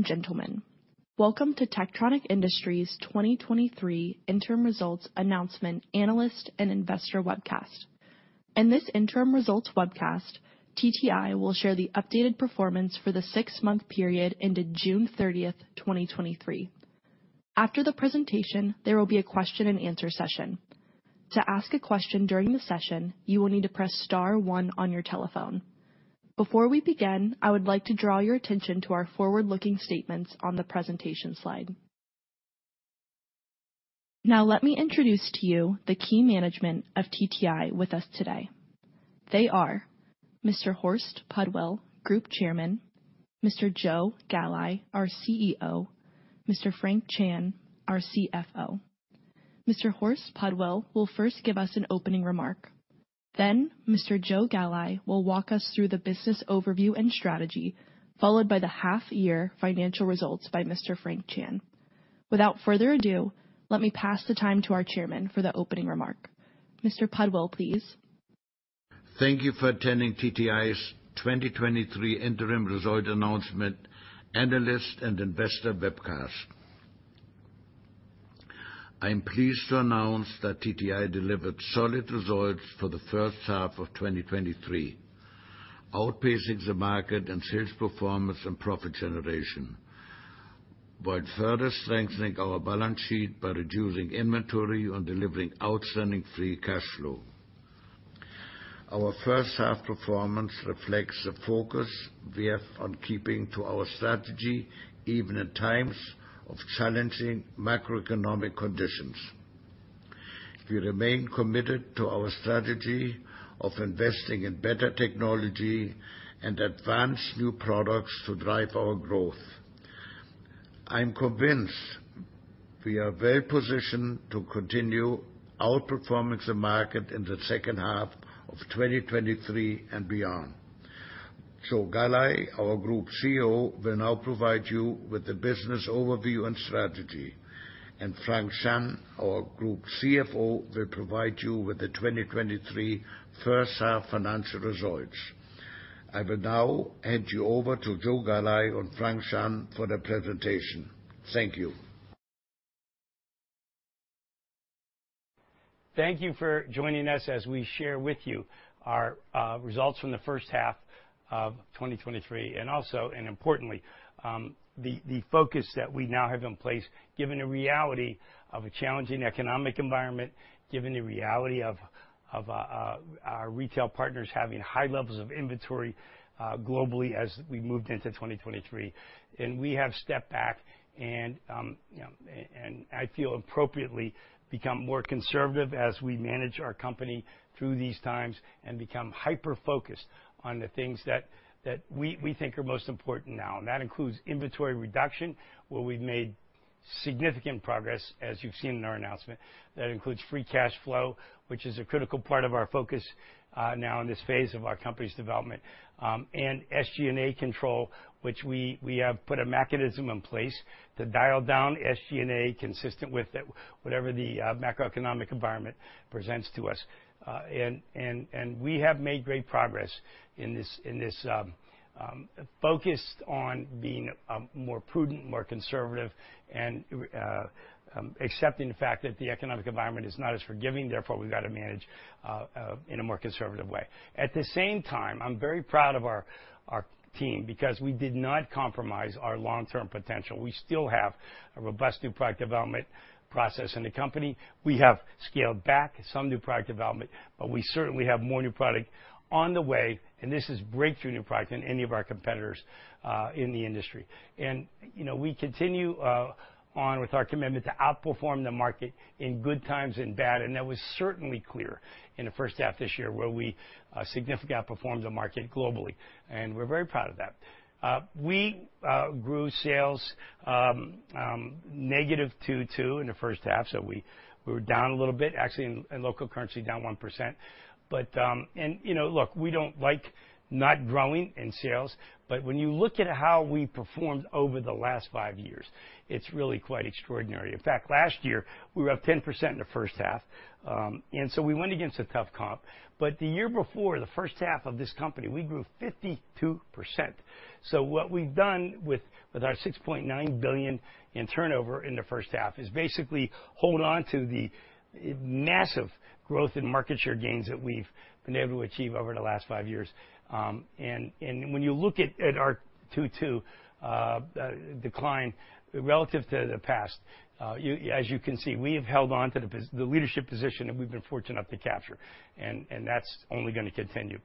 Gentlemen, welcome to Techtronic Industries 2023 interim results announcement analyst and investor webcast. In this interim results webcast, TTI will share the updated performance for the six month period into June 30th, 2023. After the presentation, there will be a question-and-answer session. To ask a question during the session, you will need to press star one on your telephone. Before we begin, I would like to draw your attention to our forward-looking statements on the presentation slide. Let me introduce to you the key management of TTI with us today. They are Mr. Horst Pudwill, Group Chairman, Mr. Joe Galli, our CEO, Mr. Frank Chan, our CFO. Mr. Horst Pudwill will first give us an opening remark. Mr. Joe Galli will walk us through the business overview and strategy, followed by the half-year financial results by Mr. Frank Chan. Without further ado, let me pass the time to our chairman for the opening remark. Mr. Pudwill, please. Thank you for attending TTI's 2023 interim result announcement analyst and investor webcast. I am pleased to announce that TTI delivered solid results for the first half of 2023, outpacing the market and sales performance and profit generation, while further strengthening our balance sheet by reducing inventory and delivering outstanding free cash flow. Our first half performance reflects the focus we have on keeping to our strategy, even in times of challenging macroeconomic conditions. We remain committed to our strategy of investing in better technology and advanced new products to drive our growth. I'm convinced we are well positioned to continue outperforming the market in the second half of 2023 and beyond. Joe Galli, our Group CEO, will now provide you with the business overview and strategy, and Frank Chan, our Group CFO, will provide you with the 2023 first half financial results. I will now hand you over to Joe Galli and Frank Chan for the presentation. Thank you. Thank you for joining us as we share with you our results from the first half of 2023, and also, and importantly, the focus that we now have in place, given the reality of a challenging economic environment, given the reality of, of, our retail partners having high levels of inventory, globally as we moved into 2023. We have stepped back and, you know, and I feel appropriately become more conservative as we manage our company through these times and become hyper-focused on the things that, that we, we think are most important now, and that includes inventory reduction, where we've made significant progress, as you've seen in our announcement. That includes free cash flow, which is a critical part of our focus, now in this phase of our company's development, and SG&A control, which we, we have put a mechanism in place to dial down SG&A, consistent with the, whatever the, macroeconomic environment presents to us. We have made great progress in this, in this focus on being more prudent, more conservative, and accepting the fact that the economic environment is not as forgiving, therefore, we've got to manage in a more conservative way. At the same time, I'm very proud of our, our team because we did not compromise our long-term potential. We still have a robust new product development process in the company. We have scaled back some new product development, but we certainly have more new product on the way, and this is breakthrough new product than any of our competitors in the industry. You know, we continue on with our commitment to outperform the market in good times and bad. That was certainly clear in the first half this year, where we significantly outperformed the market globally. We're very proud of that. We grew sales -2.2% in the first half, so we, we were down a little bit, actually, in local currency, down 1%. You know, look, we don't like not growing in sales, but when you look at how we performed over the last five years, it's really quite extraordinary. In fact, last year, we were up 10% in the first half, and so we went against a tough comp. The year before, the first half of this company, we grew 52%. What we've done with, with our $6.9 billion in turnover in the first half is basically hold on to the massive growth in market share gains that we've been able to achieve over the last five years. And when you look at, at our 2.2 decline relative to the past, you, as you can see, we have held on to the position the leadership position that we've been fortunate enough to capture, and that's only gonna continue.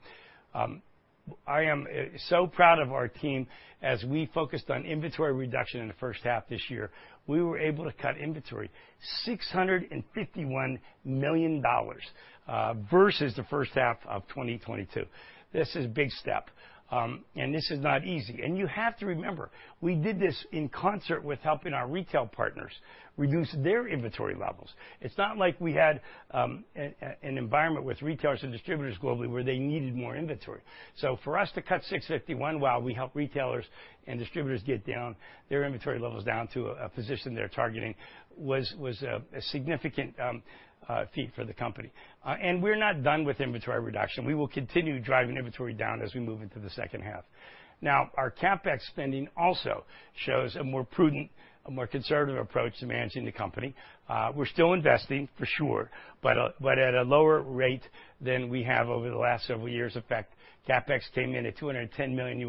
I am so proud of our team as we focused on inventory reduction in the first half this year. We were able to cut inventory $651 million versus the first half of 2022. This is a big step. This is not easy. You have to remember, we did this in concert with helping our retail partners reduce their inventory levels. It's not like we had an environment with retailers and distributors globally where they needed more inventory. For us to cut $651 while we help retailers and distributors get down, their inventory levels down to a position they're targeting, was a significant feat for the company. We're not done with inventory reduction. We will continue driving inventory down as we move into the second half. Now, our CapEx spending also shows a more prudent, a more conservative approach to managing the company. We're still investing, for sure, but at a lower rate than we have over the last several years. In fact, CapEx came in at $210 million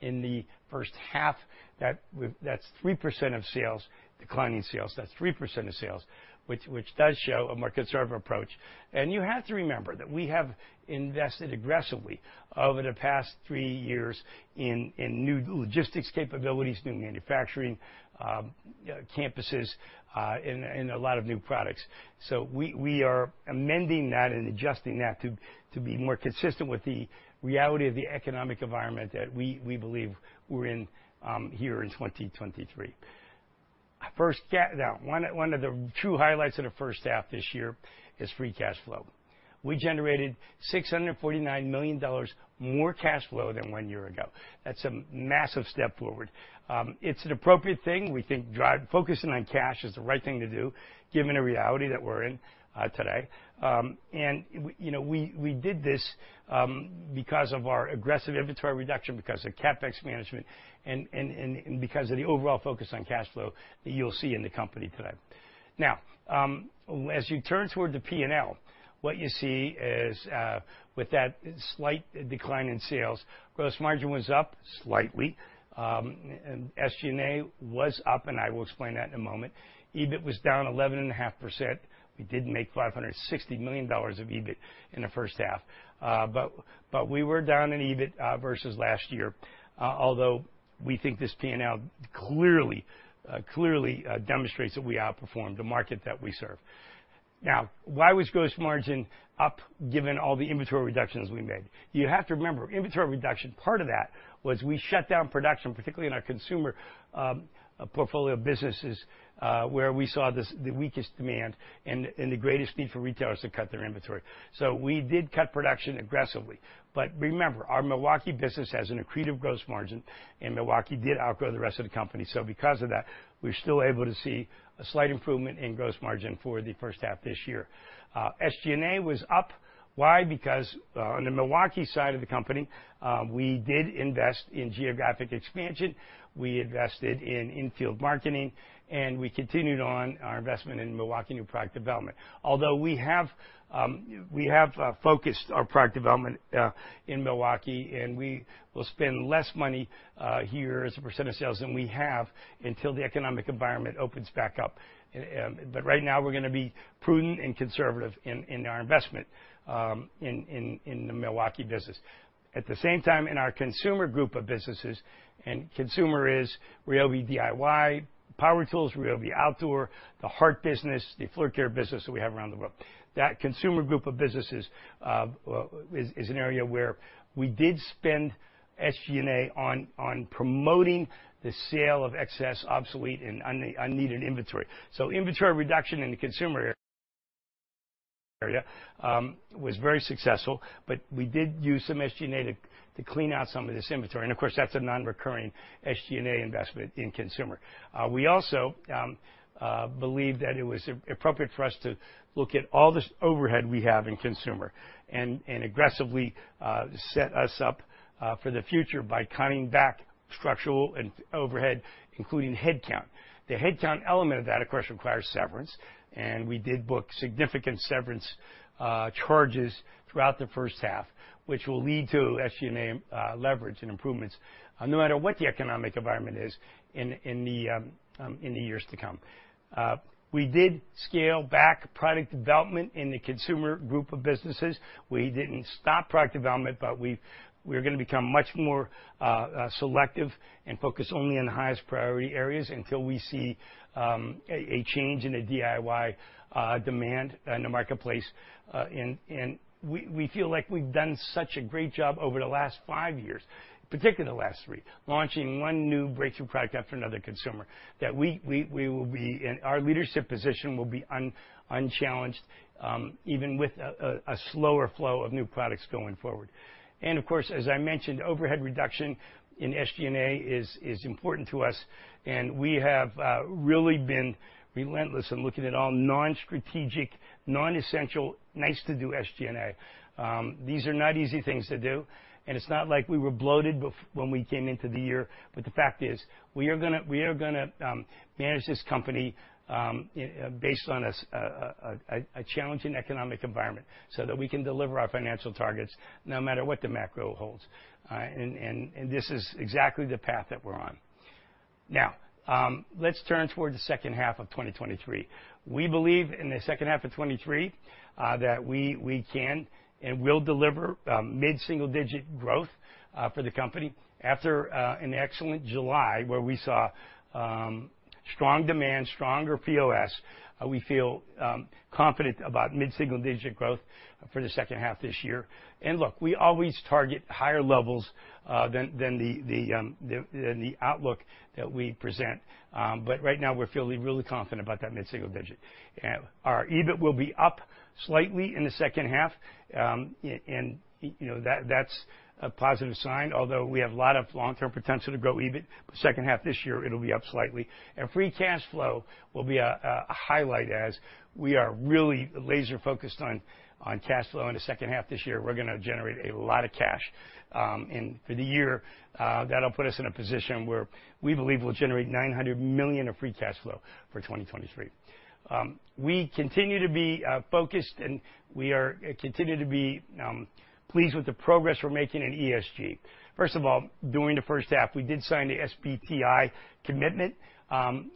in the first half. That's 3% of sales, declining sales. That's 3% of sales, which, which does show a more conservative approach. You have to remember that we have invested aggressively over the past three years in, in new logistics capabilities, new manufacturing, campuses, and a lot of new products. We, we are amending that and adjusting that to, to be more consistent with the reality of the economic environment that we, we believe we're in, here in 2023. Our first now, one of, one of the true highlights of the first half this year is free cash flow. We generated $649 million more cash flow than one year ago. That's a massive step forward. It's an appropriate thing. We think focusing on cash is the right thing to do given the reality that we're in today. You know, we, we did this because of our aggressive inventory reduction, because of CapEx management, and, and, and because of the overall focus on cash flow that you'll see in the company today. Now, as you turn toward the P&L, what you see is with that slight decline in sales, gross margin was up slightly. SG&A was up, and I will explain that in a moment. EBIT was down 11.5%. We did make $560 million of EBIT in the first half. We were down in EBIT versus last year, although we think this P&L clearly, clearly demonstrates that we outperformed the market that we serve. Why was gross margin up, given all the inventory reductions we made? You have to remember, inventory reduction, part of that was we shut down production, particularly in our consumer portfolio of businesses, where we saw the weakest demand and the greatest need for retailers to cut their inventory. We did cut production aggressively. Remember, our Milwaukee business has an accretive gross margin. Milwaukee did outgrow the rest of the company. Because of that, we're still able to see a slight improvement in gross margin for the first half this year. SG&A was up. Why? On the Milwaukee side of the company, we did invest in geographic expansion, we invested in in-field marketing. We continued on our investment in Milwaukee new product development. Although we have, we have focused our product development in Milwaukee. We will spend less money here as a % of sales than we have until the economic environment opens back up. Right now, we're gonna be prudent and conservative in, in our investment in, in, in the Milwaukee business. At the same time, in our consumer group of businesses, consumer is Ryobi DIY, power tools, Ryobi outdoor, the HART business, the floor care business that we have around the world. That consumer group of businesses is, is an area where we did spend SG&A on, on promoting the sale of excess, obsolete, and unneeded inventory. Inventory reduction in the consumer area was very successful, but we did use some SG&A to clean out some of this inventory, and of course, that's a non-recurring SG&A investment in consumer. We also believed that it was appropriate for us to look at all the overhead we have in consumer and aggressively set us up for the future by cutting back structural and overhead, including headcount. The headcount element of that, of course, requires severance, and we did book significant severance charges throughout the first half, which will lead to SG&A leverage and improvements no matter what the economic environment is in the years to come. We did scale back product development in the consumer group of businesses. We didn't stop product development, but we're gonna become much more selective and focus only on the highest priority areas until we see a change in the DIY demand in the marketplace. We feel like we've done such a great job over the last five years, particularly the last three, launching one new breakthrough product after another consumer, that we will be. Our leadership position will be unchallenged, even with a slower flow of new products going forward. Of course, as I mentioned, overhead reduction in SG&A is important to us, and we have really been relentless in looking at all non-strategic, non-essential, nice-to-do SG&A. These are not easy things to do, and it's not like we were bloated when we came into the year, but the fact is, we are gonna, we are gonna manage this company based on a challenging economic environment so that we can deliver our financial targets no matter what the macro holds, and this is exactly the path that we're on. Now, let's turn toward the second half of 2023. We believe in the second half of 2023 that we, we can and will deliver mid-single-digit growth for the company. After an excellent July, where we saw strong demand, stronger POS, we feel confident about mid-single-digit growth for the second half this year. Look, we always target higher levels than the outlook that we present, but right now, we're feeling really confident about that mid-single digit. Our EBIT will be up slightly in the second half, and, you know, that's a positive sign, although we have a lot of long-term potential to grow EBIT, but second half this year, it'll be up slightly. Free cash flow will be a highlight, as we are really laser-focused on cash flow in the second half this year. We're gonna generate a lot of cash, and for the year, that'll put us in a position where we believe we'll generate $900 million of free cash flow for 2023. We continue to be focused, and we are continue to be pleased with the progress we're making in ESG. First of all, during the first half, we did sign the SBTI commitment,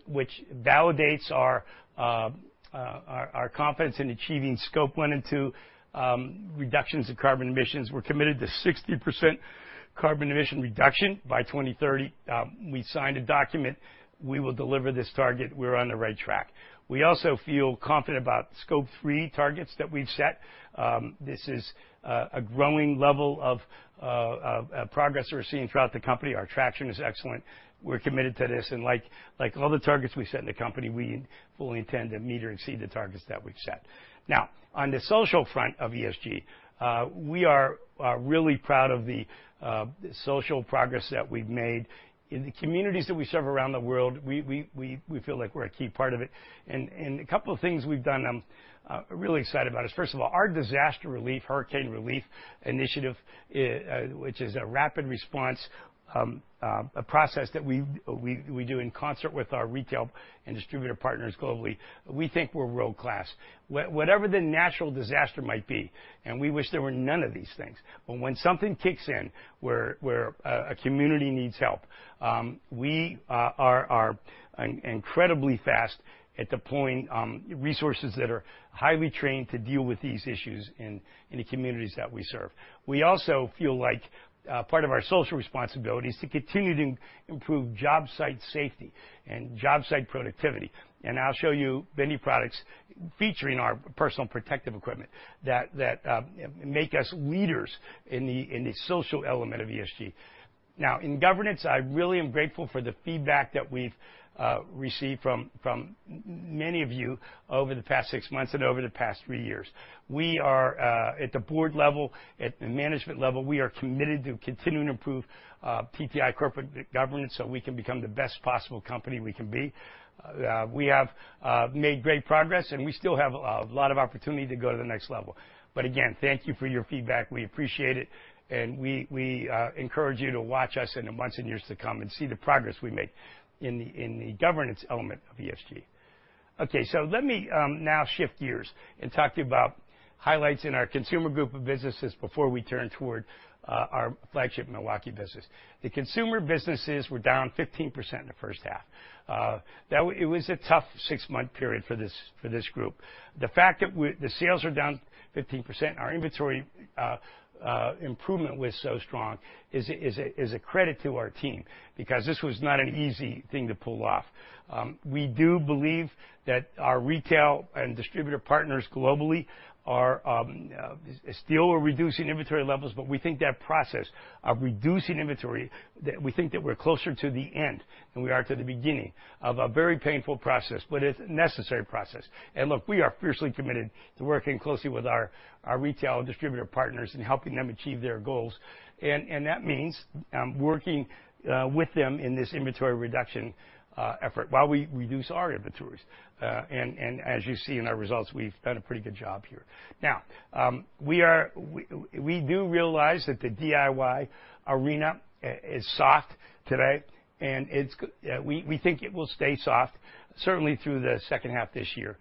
which validates our our confidence in achieving Scope 1 and 2 reductions in carbon emissions. We're committed to 60% carbon emission reduction by 2030. We signed a document. We will deliver this target. We're on the right track. We also feel confident about Scope 3 targets that we've set. This is a growing level of progress we're seeing throughout the company. Our traction is excellent. We're committed to this, and like, like all the targets we set in the company, we fully intend to meet or exceed the targets that we've set. On the social front of ESG, we are, are really proud of the social progress that we've made. In the communities that we serve around the world, we, we, we, we feel like we're a key part of it, and, and a couple of things we've done I'm really excited about is, first of all, our disaster relief, hurricane relief initiative, which is a rapid response-... a process that we, we, we do in concert with our retail and distributor partners globally. We think we're world-class. Whatever the natural disaster might be, and we wish there were none of these things, but when something kicks in, where, where a community needs help, we are incredibly fast at deploying resources that are highly trained to deal with these issues in, in the communities that we serve. We also feel like part of our social responsibility is to continue to improve job site safety and job site productivity, and I'll show you many products featuring our personal protective equipment that, that make us leaders in the, in the social element of ESG. Now, in governance, I really am grateful for the feedback that we've received from, from many of you over the past six months and over the past three years. We are at the board level, at the management level, we are committed to continuing to improve TTI corporate governance so we can become the best possible company we can be. We have made great progress, and we still have a lot of opportunity to go to the next level. But again, thank you for your feedback. We appreciate it, and we, we encourage you to watch us in the months and years to come and see the progress we make in the, in the governance element of ESG. Okay, let me now shift gears and talk to you about highlights in our consumer group of businesses before we turn toward our flagship Milwaukee business. The consumer businesses were down 15% in the first half. That it was a tough six-month period for this, for this group. The fact that the sales are down 15%, our inventory improvement was so strong is a, is a, is a credit to our team because this was not an easy thing to pull off. We do believe that our retail and distributor partners globally are still reducing inventory levels, but we think that process of reducing inventory, that we think that we're closer to the end than we are to the beginning of a very painful process, but it's a necessary process. Look, we are fiercely committed to working closely with our, our retail and distributor partners in helping them achieve their goals, that means working with them in this inventory reduction effort while we reduce our inventories. As you see in our results, we've done a pretty good job here. Now, we do realize that the DIY arena is soft today, and we think it will stay soft, certainly through the second half this year.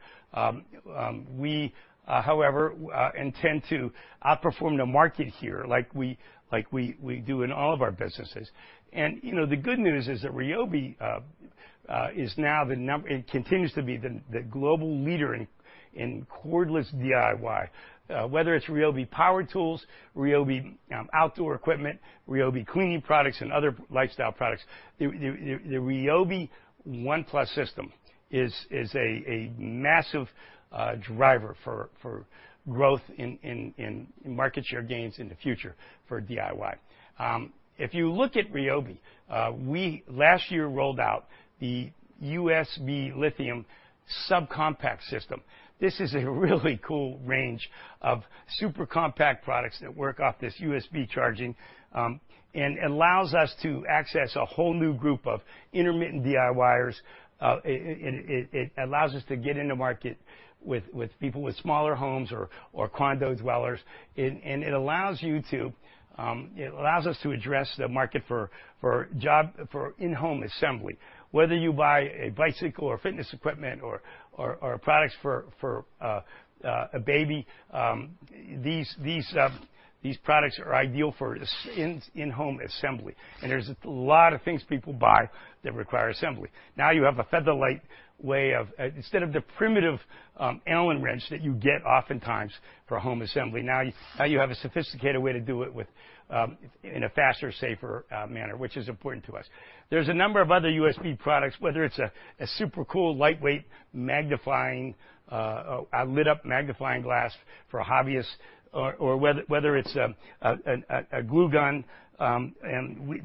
We, however, intend to outperform the market here, like we, like we, we do in all of our businesses. You know, the good news is that Ryobi continues to be the global leader in cordless DIY. Whether it's Ryobi power tools, Ryobi outdoor equipment, Ryobi cleaning products, and other lifestyle products, the Ryobi ONE+ system is a massive driver for growth in market share gains in the future for DIY. If you look at Ryobi, we last year rolled out the USB Lithium subcompact system. This is a really cool range of super compact products that work off this USB charging, and allows us to access a whole new group of intermittent DIYers. It allows us to get into market with people with smaller homes or condo dwellers. It allows us to address the market for job, for in-home assembly, whether you buy a bicycle or fitness equipment or products for a baby, these products are ideal for in-home assembly, and there's a lot of things people buy that require assembly. Now you have a featherlight way of instead of the primitive Allen wrench that you get oftentimes for home assembly, now you have a sophisticated way to do it with in a faster, safer manner, which is important to us. There's a number of other USB products, whether it's a super cool, lightweight magnifying, a lit-up magnifying glass for hobbyists or whether it's a glue gun.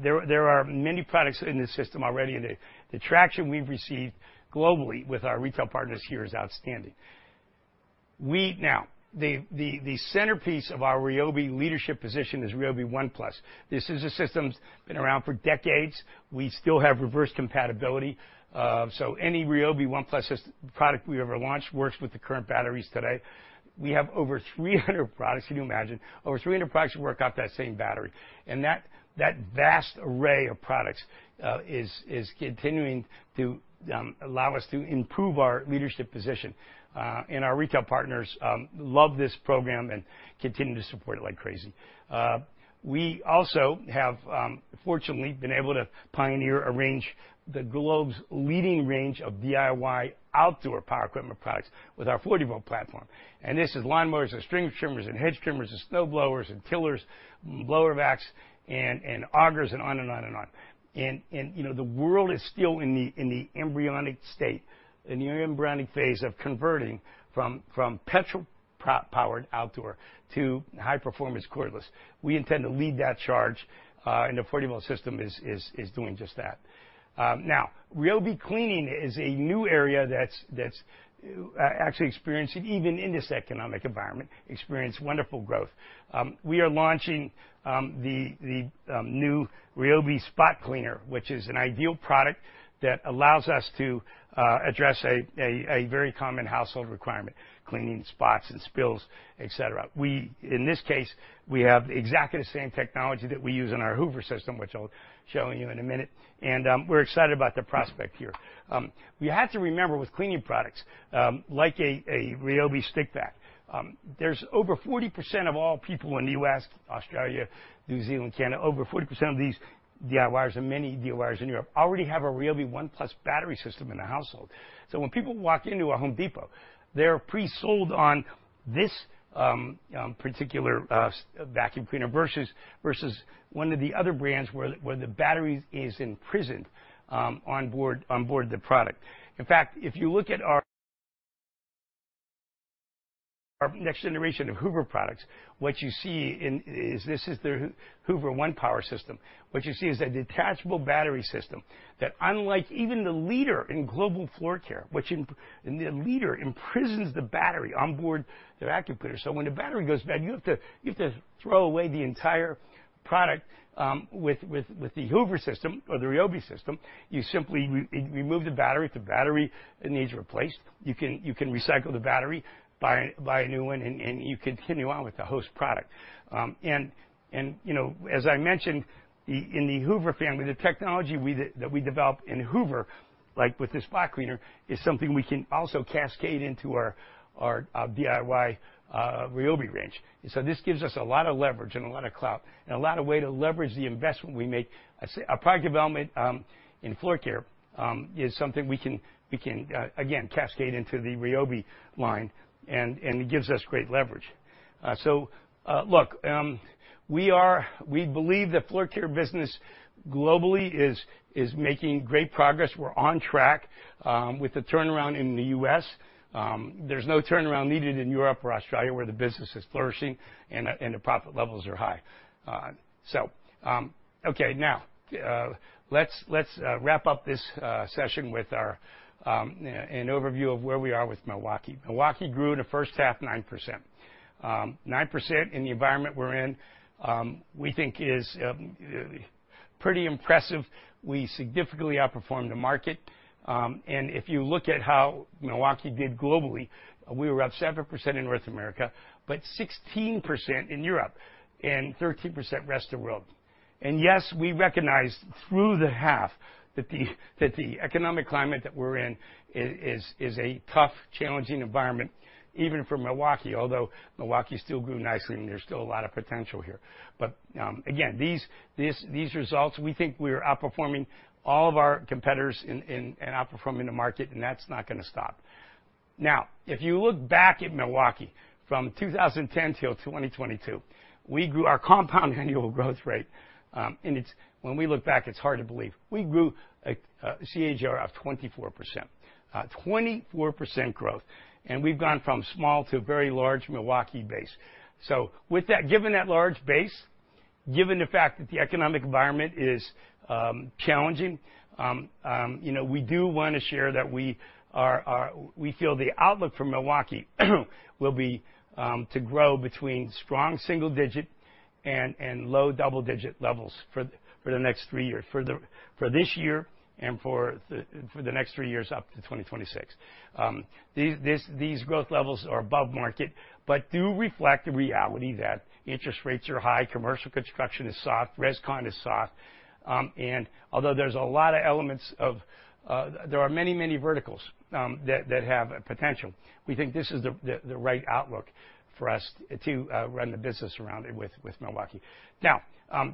There are many products in this system already, the traction we've received globally with our retail partners here is outstanding. Now, the centerpiece of our Ryobi leadership position is Ryobi ONE+. This is a system that's been around for decades. We still have reverse compatibility, so any Ryobi ONE+ product we've ever launched works with the current batteries today. We have over 300 products, can you imagine? Over 300 products work off that same battery, and that, that vast array of products is continuing to allow us to improve our leadership position, and our retail partners love this program and continue to support it like crazy. We also have, fortunately, been able to pioneer a range, the globe's leading range of DIY outdoor power equipment products with our 40V platform. This is lawnmowers, and string trimmers, and hedge trimmers, and snowblowers, and tillers, blower vacs, and augers, and on and on and on.... You know, the world is still in the embryonic state, in the embryonic phase of converting from petrol-powered outdoor to high-performance cordless. We intend to lead that charge, and the 40V system is doing just that. Now, Ryobi Cleaning is a new area that's, that's actually experiencing, even in this economic environment, experienced wonderful growth. We are launching the, the new Ryobi spot cleaner, which is an ideal product that allows us to address a, a, a very common household requirement, cleaning spots and spills, et cetera. We, in this case, we have exactly the same technology that we use in our Hoover system, which I'll show you in a minute, and we're excited about the prospect here. You have to remember with cleaning products, like a Ryobi Stick Vac, there's over 40% of all people in the U.S., Australia, New Zealand, Canada, over 40% of these DIYers and many DIYers in Europe already have a Ryobi ONE+ battery system in the household. When people walk into a Home Depot, they're pre-sold on this particular vacuum cleaner versus, versus one of the other brands where the, where the batteries is imprisoned on board, on board the product. In fact, if you look at our, our next generation of Hoover products, what you see in is this is the Hoover ONEPWR system. What you see is a detachable battery system that unlike even the leader in global floor care, which the leader imprisons the battery on board their vacuum cleaner. When the battery goes bad, you have to, you have to throw away the entire product. With, with, with the Hoover system or the Ryobi system, you simply remove the battery. If the battery needs replaced, you can, you can recycle the battery, buy, buy a new one, and, and you continue on with the host product. And, you know, as I mentioned, the, in the Hoover family, the technology we developed in Hoover, like with this spot cleaner, is something we can also cascade into our, our DIY Ryobi range. This gives us a lot of leverage and a lot of clout and a lot of way to leverage the investment we make. I'd say our product development, in floor care, is something we can, we can, again, cascade into the Ryobi line, and, and it gives us great leverage. Look, we believe the floor care business globally is, is making great progress. We're on track with the turnaround in the US. There's no turnaround needed in Europe or Australia, where the business is flourishing and the, and the profit levels are high. We wrap up this session with our an overview of where we are with Milwaukee. Milwaukee grew in the first half, 9%. 9% in the environment we're in, we think is pretty impressive. We significantly outperformed the market. If you look at how Milwaukee did globally, we were up 7% in North America, but 16% in Europe and 13% rest of world. Yes, we recognized through the half that the, that the economic climate that we're in is, is a tough, challenging environment, even for Milwaukee, although Milwaukee still grew nicely and there's still a lot of potential here. Again, these, this, these results, we think we are outperforming all of our competitors in, in, and outperforming the market, and that's not gonna stop. Now, if you look back at Milwaukee from 2010 till 2022, we grew our compound annual growth rate, and it's. When we look back, it's hard to believe. We grew a CAGR of 24%. 24% growth, and we've gone from small to very large Milwaukee base. With that, given that large base, given the fact that the economic environment is challenging, you know, we feel the outlook for Milwaukee will be to grow between strong single-digit and low double-digit levels for the next three years, for this year and for the next three years up to 2026. These growth levels are above market, but do reflect the reality that interest rates are high, commercial construction is soft, rescon is soft, and although there's a lot of elements of, there are many, many verticals that have potential, we think this is the right outlook for us to run the business around it with Milwaukee. Now,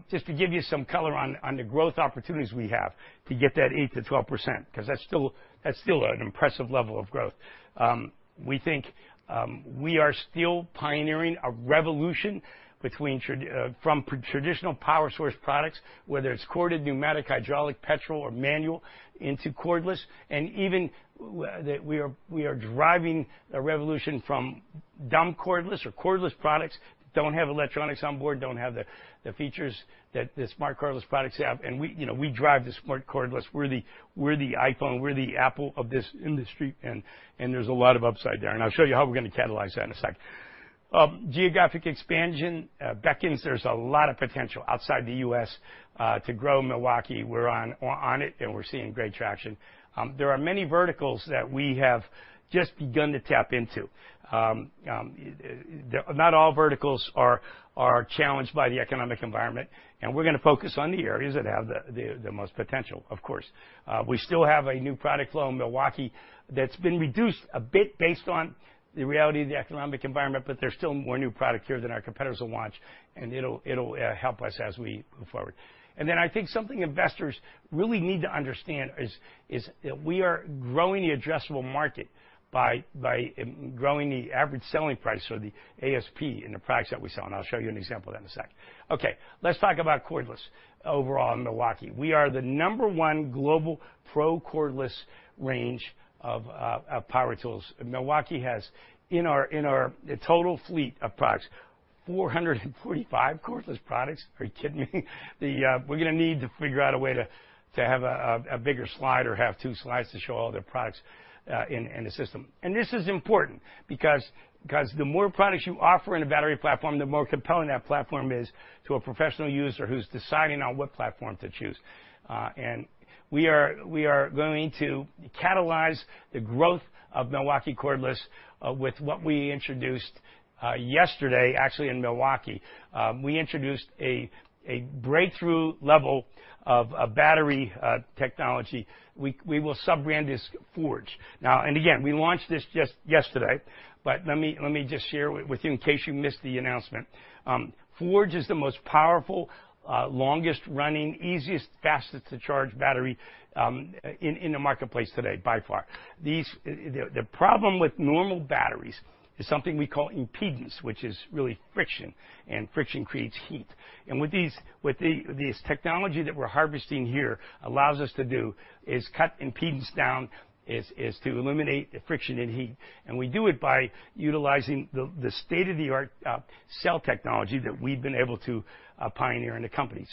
just to give you some color on, on the growth opportunities we have to get that 8% - 12%, 'cause that's still, that's still an impressive level of growth. We think, we are still pioneering a revolution between from traditional power source products, whether it's corded, pneumatic, hydraulic, petrol, or manual, into cordless, and even that we are, we are driving a revolution from dumb cordless or cordless products, don't have electronics on board, don't have the, the features that the smart cordless products have, and we, you know, we drive the smart cordless. We're the, we're the iPhone, we're the Apple of this industry, and, and there's a lot of upside there, and I'll show you how we're gonna catalyze that in a sec. Geographic expansion beckons there's a lot of potential outside the U.S. to grow Milwaukee. We're on it, we're seeing great traction. There are many verticals that we have just begun to tap into. Not all verticals are challenged by the economic environment, and we're gonna focus on the areas that have the most potential, of course. We still have a new product flow in Milwaukee that's been reduced a bit based on the reality of the economic environment. There's still more new product here than our competitors will launch, and it'll help us as we move forward. Then I think something investors really need to understand is that we are growing the addressable market by growing the average selling price, so the ASP in the products that we sell, and I'll show you an example of that in a sec. Okay, let's talk about cordless overall in Milwaukee. We are the number one global pro cordless range of power tools. Milwaukee has, in our, in our total fleet of products... 445 cordless products? Are you kidding me? The, we're gonna need to figure out a way to, to have a, a, a bigger slide or have two slides to show all their products in, in the system. This is important because, because the more products you offer in a battery platform, the more compelling that platform is to a professional user who's deciding on what platform to choose. We are, we are going to catalyze the growth of Milwaukee Cordless with what we introduced yesterday, actually, in Milwaukee. We introduced a, a breakthrough level of, of battery technology. We, we will sub-brand this FORGE. Again, we launched this just yesterday, let me, let me just share with you in case you missed the announcement. Forge is the most powerful, longest-running, easiest, fastest to charge battery, in the marketplace today, by far. The problem with normal batteries is something we call impedance, which is really friction, and friction creates heat. With these, this technology that we're harvesting here allows us to do, is cut impedance down, is, is to eliminate the friction and heat, and we do it by utilizing the state-of-the-art cell technology that we've been able to pioneer in the company.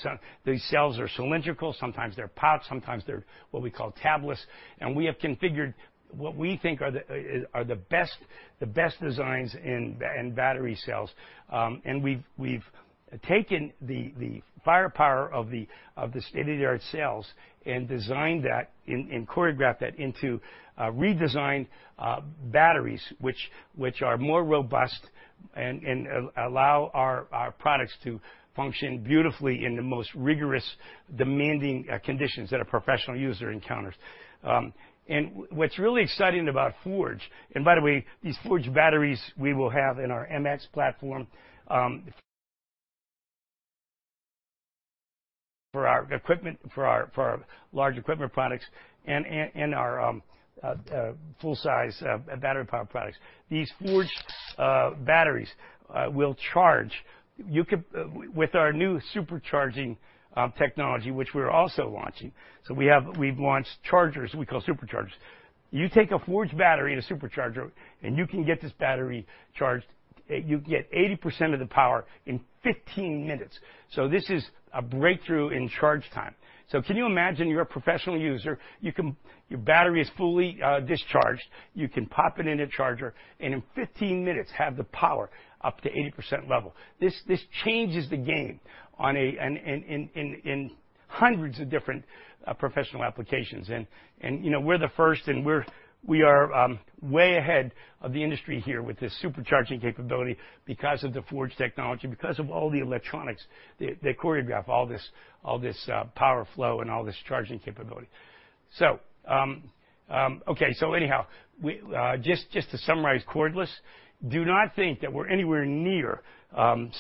These cells are cylindrical, sometimes they're puck, sometimes they're what we call tabless, and we have configured what we think are the, is, are the best, the best designs in battery cells. We've, we've taken the, the firepower of the, of the state-of-the-art cells and designed that and, and choreographed that into redesigned batteries, which, which are more robust and allow our, our products to function beautifully in the most rigorous, demanding conditions that a professional user encounters. What's really exciting about FORGE, and by the way, these FORGE batteries we will have in our MX platform for our equipment, for our, for our large equipment products and, and, and our full-size battery power products. These FORGE batteries will charge, you could, with our new supercharging technology, which we're also launching. We have, we've launched chargers we call Super Chargers. You take a FORGE battery and a Super Charger, and you can get this battery charged, you get 80% of the power in 15 minutes. This is a breakthrough in charge time. Can you imagine you're a professional user, you can, your battery is fully discharged, you can pop it in a charger, and in 15 minutes, have the power up to 80% level. This changes the game in hundreds of different professional applications, and, you know, we're the first, and we are way ahead of the industry here with this supercharging capability because of the FORGE technology, because of all the electronics that choreograph all this power flow and all this charging capability. Anyhow, we just, just to summarize cordless, do not think that we're anywhere near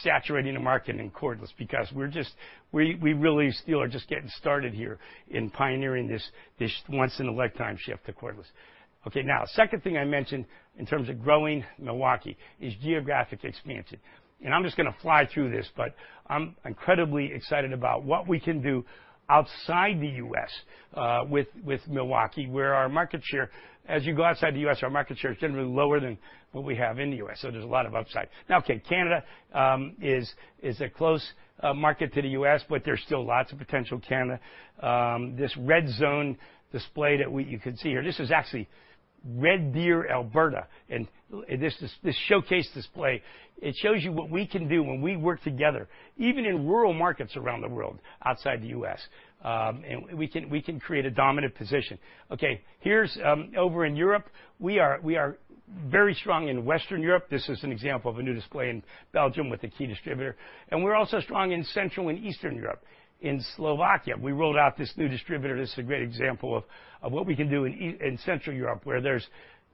saturating the market in cordless because we really still are just getting started here in pioneering this, this once-in-a-lifetime shift to cordless. Second thing I mentioned in terms of growing Milwaukee is geographic expansion. I'm just gonna fly through this. I'm incredibly excited about what we can do outside the US with Milwaukee, where our market share, as you go outside the US, our market share is generally lower than what we have in the US, so there's a lot of upside. Canada is a close market to the US. There's still lots of potential in Canada. This red zone display that we, you can see here, this is actually Red Deer, Alberta, and this, this, this showcase display, it shows you what we can do when we work together, even in rural markets around the world, outside the US, and we can, we can create a dominant position. Okay, here's over in Europe, we are, we are very strong in Western Europe. This is an example of a new display in Belgium with a key distributor, and we're also strong in Central and Eastern Europe. In Slovakia, we rolled out this new distributor. This is a great example of, of what we can do in Central Europe, where there's,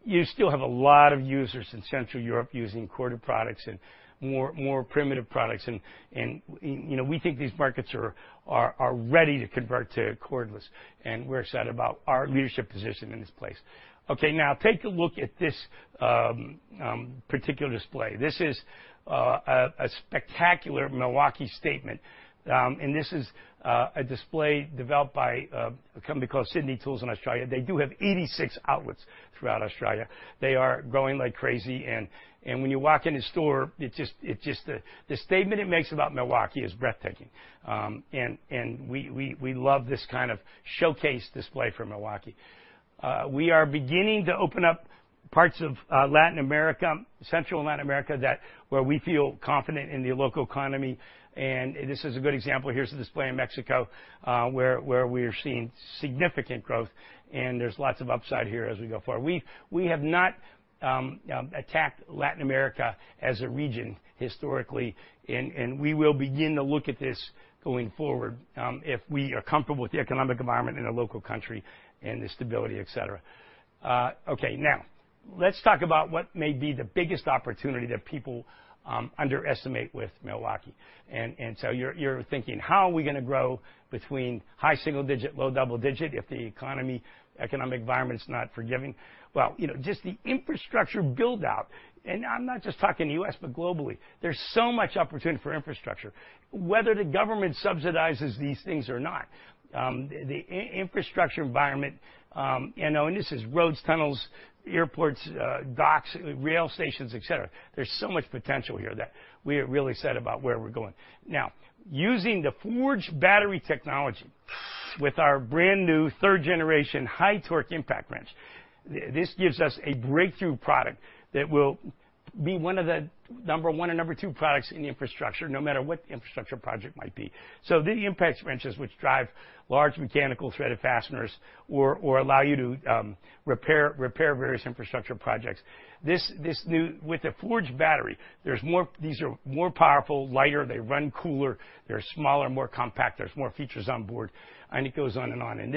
you still have a lot of users in Central Europe using corded products and more, more primitive products and, and, you know, we think these markets are, are, are ready to convert to cordless, and we're excited about our leadership position in this place. Okay, now take a look at this particular display. This is a spectacular Milwaukee statement, and this is a display developed by a company called Sydney Tools in Australia. They do have 86 outlets throughout Australia. They are growing like crazy, and, and when you walk in the store, it just, it just, the statement it makes about Milwaukee is breathtaking. We, we, we love this kind of showcase display for Milwaukee. We are beginning to open up parts of Latin America, Central Latin America, that, where we feel confident in the local economy. This is a good example. Here's a display in Mexico, where, where we are seeing significant growth. There's lots of upside here as we go forward. We, we have not attacked Latin America as a region historically. We will begin to look at this going forward if we are comfortable with the economic environment in a local country and the stability, et cetera. Okay, now, let's talk about what may be the biggest opportunity that people underestimate with Milwaukee. You're, you're thinking, how are we gonna grow between high single digit, low double digit, if the economy, economic environment is not forgiving? Well, you know, just the infrastructure build-out, I'm not just talking the U.S., but globally, there's so much opportunity for infrastructure. Whether the government subsidizes these things or not, the infrastructure environment, you know, and this is roads, tunnels, airports, docks, rail stations, et cetera, there's so much potential here that we are really excited about where we're going. Now, using the FORGE battery technology-... with our brand-new third-generation high-torque impact wrench. This gives us a breakthrough product that will be one of the number one and number two products in the infrastructure, no matter what the infrastructure project might be. The impact wrenches, which drive large mechanical threaded fasteners or, or allow you to repair, repair various infrastructure projects. With the FORGE battery, there's more. These are more powerful, lighter, they run cooler, they're smaller, more compact, there's more features on board, and it goes on and on.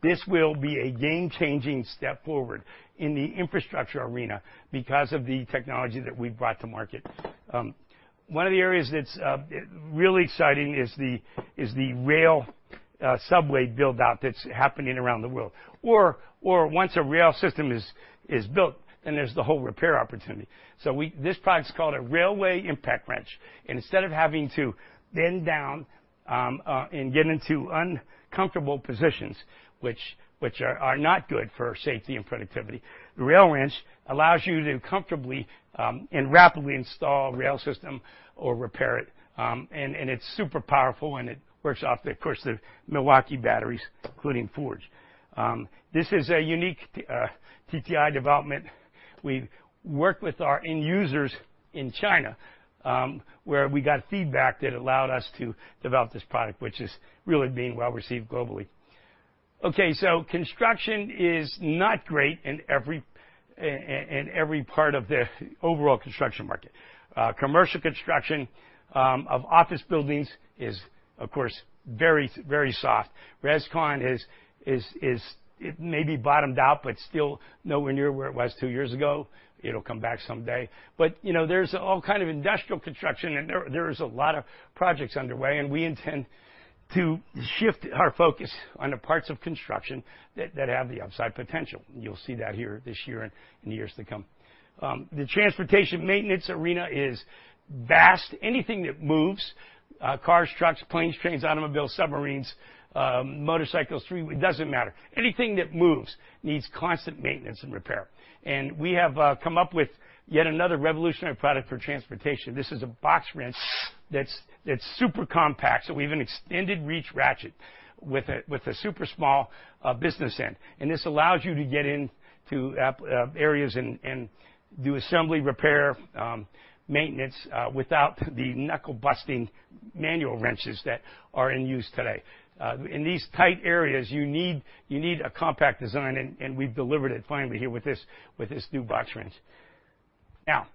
This will be a game-changing step forward in the infrastructure arena because of the technology that we've brought to market. One of the areas that's really exciting is the rail subway build-out that's happening around the world, or once a rail system is built, there's the whole repair opportunity. This product is called a railway impact wrench. Instead of having to bend down and get into uncomfortable positions, which are not good for safety and productivity, the rail wrench allows you to comfortably and rapidly install a rail system or repair it. It's super powerful, and it works off, of course, the Milwaukee batteries, including FORGE. This is a unique TTI development. We've worked with our end users in China, where we got feedback that allowed us to develop this product, which is really being well received globally. Construction is not great in every part of the overall construction market. Commercial construction, of office buildings is, of course, very, very soft. res/con, it may be bottomed out, but still nowhere near where it was two years ago. It'll come back someday. You know, there's all kind of industrial construction, and there is a lot of projects underway, and we intend to shift our focus on the parts of construction that have the upside potential. You'll see that here this year and in the years to come. The transportation maintenance arena is vast. Anything that moves, cars, trucks, planes, trains, automobiles, submarines, motorcycles, it doesn't matter. Anything that moves needs constant maintenance and repair, and we have come up with yet another revolutionary product for transportation. This is a box wrench that's super compact, so we have an extended reach ratchet with a super small business end, and this allows you to get into areas and do assembly, repair, maintenance, without the knuckle-busting manual wrenches that are in use today. In these tight areas, you need a compact design, and we've delivered it finally here with this new box wrench. Now,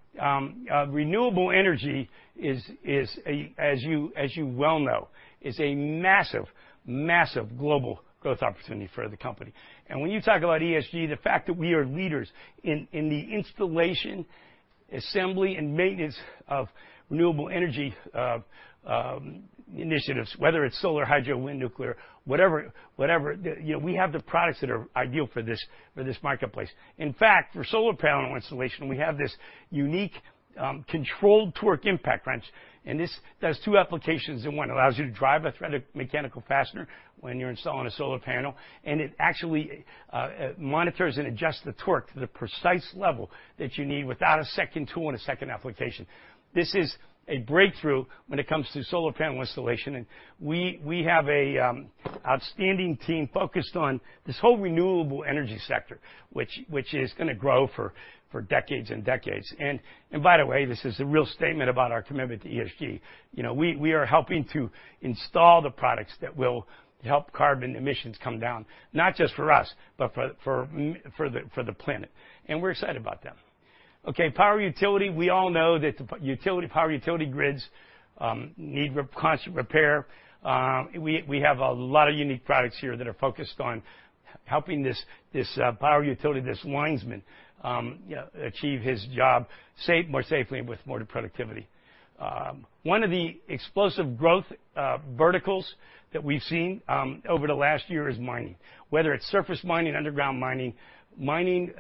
renewable energy is, is a, as you, as you well know, is a massive, massive global growth opportunity for the company. When you talk about ESG, the fact that we are leaders in, in the installation, assembly, and maintenance of renewable energy initiatives, whether it's solar, hydro, wind, nuclear, whatever, whatever, you know, we have the products that are ideal for this, for this marketplace. In fact, for solar panel installation, we have this unique controlled torque impact wrench, and this does two applications in one. It allows you to drive a threaded mechanical fastener when you're installing a solar panel, and it actually monitors and adjusts the torque to the precise level that you need without a second tool and a second application. This is a breakthrough when it comes to solar panel installation, and we, we have a outstanding team focused on this whole renewable energy sector, which, which is going to grow for, for decades and decades. By the way, this is a real statement about our commitment to ESG. You know, we, we are helping to install the products that will help carbon emissions come down, not just for us, but for, for the, for the planet, and we're excited about them. Okay, power utility, we all know that utility, power utility grids need constant repair. We, we have a lot of unique products here that are focused on helping this, this power utility, this lineman achieve his job safe, more safely and with more productivity. One of the explosive growth verticals that we've seen over the last year is mining. Whether it's surface mining, underground mining, mining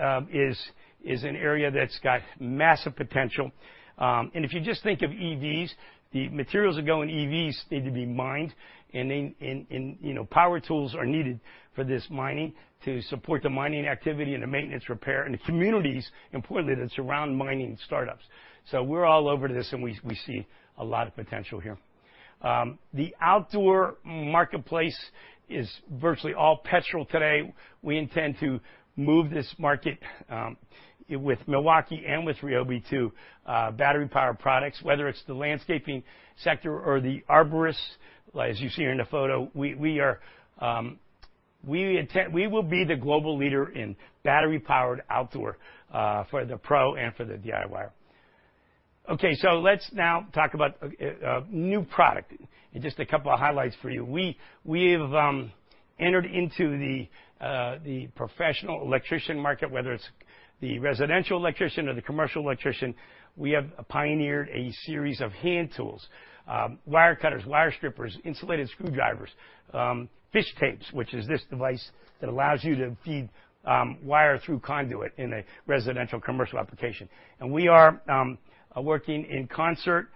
is an area that's got massive potential, and if you just think of EVs, the materials that go in EVs need to be mined, and then, and, and, you know, power tools are needed for this mining to support the mining activity and the maintenance, repair, and the communities, importantly, that surround mining startups. We're all over this, and we see a lot of potential here. The outdoor marketplace is virtually all petrol today. We intend to move this market with Milwaukee and with Ryobi to battery-powered products, whether it's the landscaping sector or the arborists, as you see here in the photo, we, we are, we intend-- We will be the global leader in battery-powered outdoor for the pro and for the DIYer. Let's now talk about a new product and just a couple of highlights for you. We've entered into the professional electrician market, whether it's the residential electrician or the commercial electrician. We have pioneered a series of hand tools, wire cutters, wire strippers, insulated screwdrivers, fish tapes, which is this device that allows you to feed wire through conduit in a residential commercial application. We are working in concert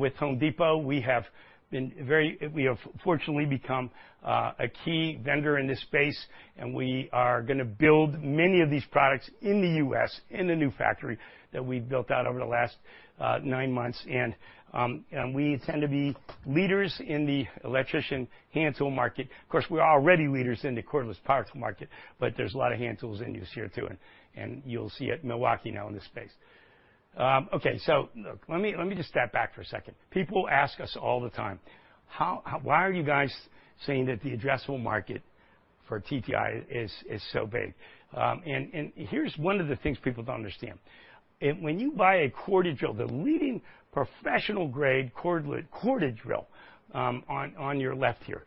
with Home Depot. We have been very... We have fortunately become a key vendor in this space, and we are going to build many of these products in the U.S., in the new factory that we built out over the last nine months, and we intend to be leaders in the electrician hand tool market. Of course, we're already leaders in the cordless power tool market, but there's a lot of hand tools in use here, too, and you'll see it in Milwaukee now in this space. Okay, look, let me, let me just step back for a second. People ask us all the time, how, why are you guys saying that the addressable market for TTI is so big? Here's one of the things people don't understand. When you buy a corded drill, the leading professional grade corded drill, on your left here,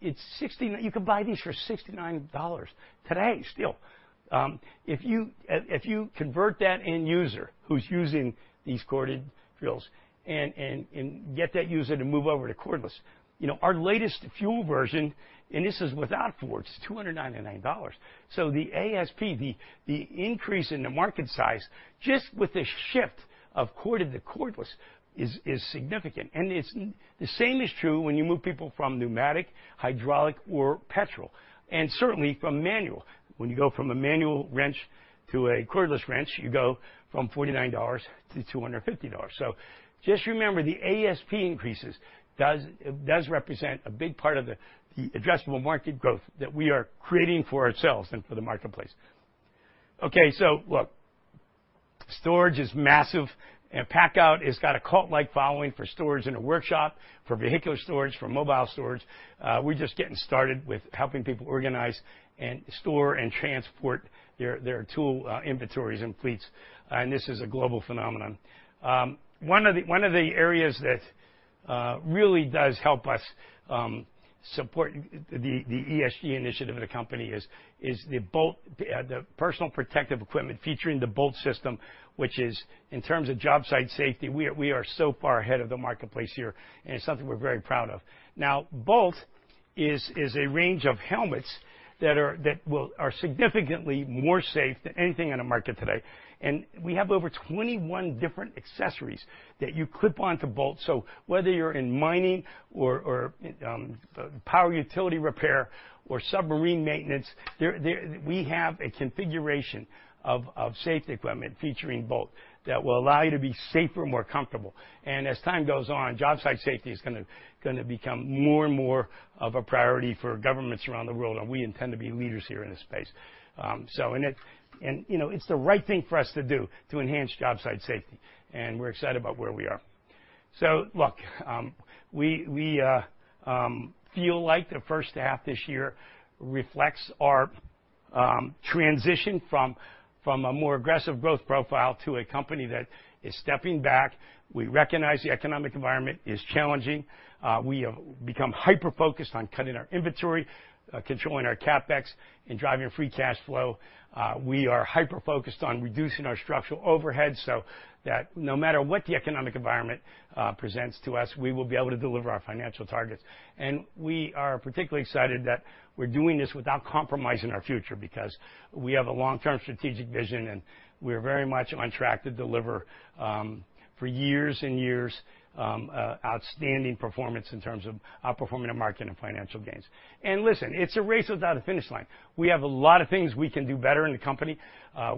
it's. You can buy these for $69 today, still. If you, if, if you convert that end user who's using these corded drills and get that user to move over to cordless, you know, our latest FUEL version, and this is without FORGE, $299. The ASP, the, the increase in the market size, just with the shift of corded to cordless is, is significant. It's, the same is true when you move people from pneumatic, hydraulic, or petrol, and certainly from manual. When you go from a manual wrench to a cordless wrench, you go from $49 to $250. Just remember, the ASP increases does represent a big part of the addressable market growth that we are creating for ourselves and for the marketplace. Storage is massive, and PACKOUT has got a cult-like following for storage in a workshop, for vehicular storage, for mobile storage. We're just getting started with helping people organize and store and transport their tool inventories and fleets, and this is a global phenomenon. One of the areas that really does help us support the ESG initiative in the company is the BOLT, the personal protective equipment featuring the BOLT system, which is, in terms of job site safety, we are so far ahead of the marketplace here, and it's something we're very proud of. Bolt is, is a range of helmets that are, are significantly more safe than anything on the market today. We have over 21 different accessories that you clip on to Bolt. Whether you're in mining or, or, power utility repair or submarine maintenance, there, there, we have a configuration of, of safety equipment featuring Bolt that will allow you to be safer and more comfortable. As time goes on, job site safety is gonna, gonna become more and more of a priority for governments around the world, and we intend to be leaders here in this space. It, and, you know, it's the right thing for us to do to enhance job site safety, and we're excited about where we are. Look, we, we feel like the first half this year reflects our transition from, from a more aggressive growth profile to a company that is stepping back. We recognize the economic environment is challenging. We have become hyper-focused on cutting our inventory, controlling our CapEx, and driving free cash flow. We are hyper-focused on reducing our structural overheads so that no matter what the economic environment presents to us, we will be able to deliver our financial targets. We are particularly excited that we're doing this without compromising our future, because we have a long-term strategic vision, and we are very much on track to deliver for years and years outstanding performance in terms of outperforming the market and financial gains. Listen, it's a race without a finish line. We have a lot of things we can do better in the company.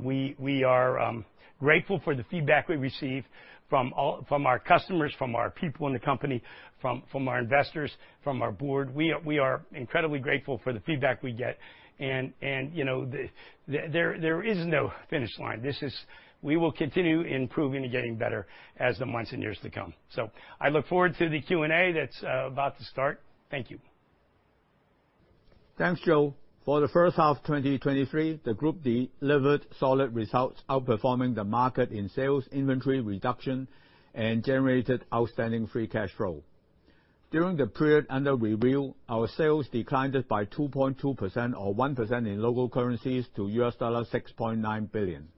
We, we are grateful for the feedback we receive from all, from our customers, from our people in the company, from, from our investors, from our board. We are, we are incredibly grateful for the feedback we get, you know, there is no finish line. This is. We will continue improving and getting better as the months and years to come. I look forward to the Q&A that's about to start. Thank you. Thanks, Joe. For the first half of 2023, the group delivered solid results, outperforming the market in sales, inventory reduction, and generated outstanding free cash flow. During the period under review, our sales declined by 2.2% or 1% in local currencies to $6.9 billion.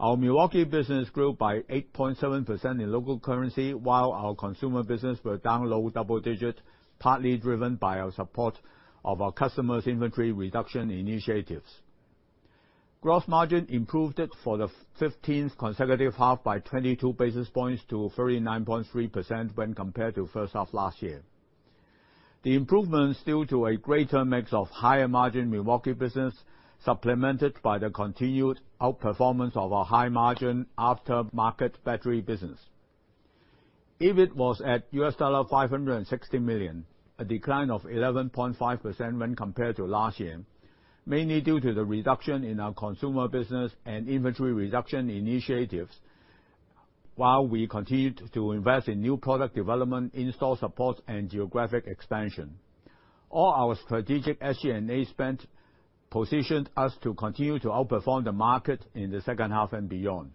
Our Milwaukee business grew by 8.7% in local currency, while our consumer business were down low double digits, partly driven by our support of our customers' inventory reduction initiatives. Gross margin improved for the 15th consecutive half by 22 basis points to 39.3% when compared to first half last year. The improvement is due to a greater mix of higher-margin Milwaukee business, supplemented by the continued outperformance of our high-margin aftermarket battery business. EBIT was at $560 million, a decline of 11.5% when compared to last year, mainly due to the reduction in our consumer business and inventory reduction initiatives, while we continued to invest in new product development, in-store support, and geographic expansion. All our strategic SG&A spend positioned us to continue to outperform the market in the second half and beyond.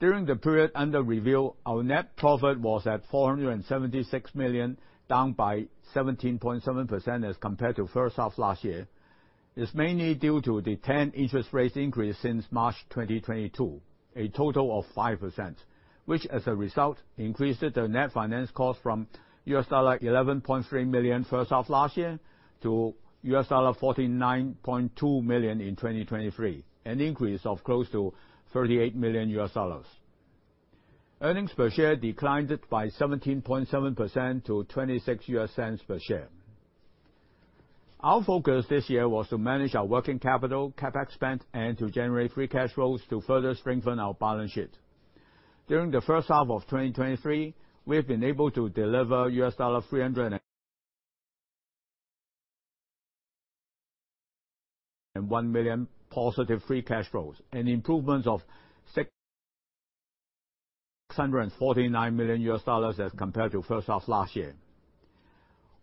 During the period under review, our net profit was at $476 million, down by 17.7% as compared to first half last year. It's mainly due to the 10 interest rate increase since March 2022, a total of 5%, which, as a result, increased the net finance cost from $11.3 million first half last year to $49.2 million in 2023, an increase of close to $38 million. Earnings per share declined by 17.7% to $0.26 per share. Our focus this year was to manage our working capital, CapEx spend, and to generate free cash flows to further strengthen our balance sheet. During the first half of 2023, we have been able to deliver $301 million positive free cash flows, an improvement of $649 million as compared to first half last year.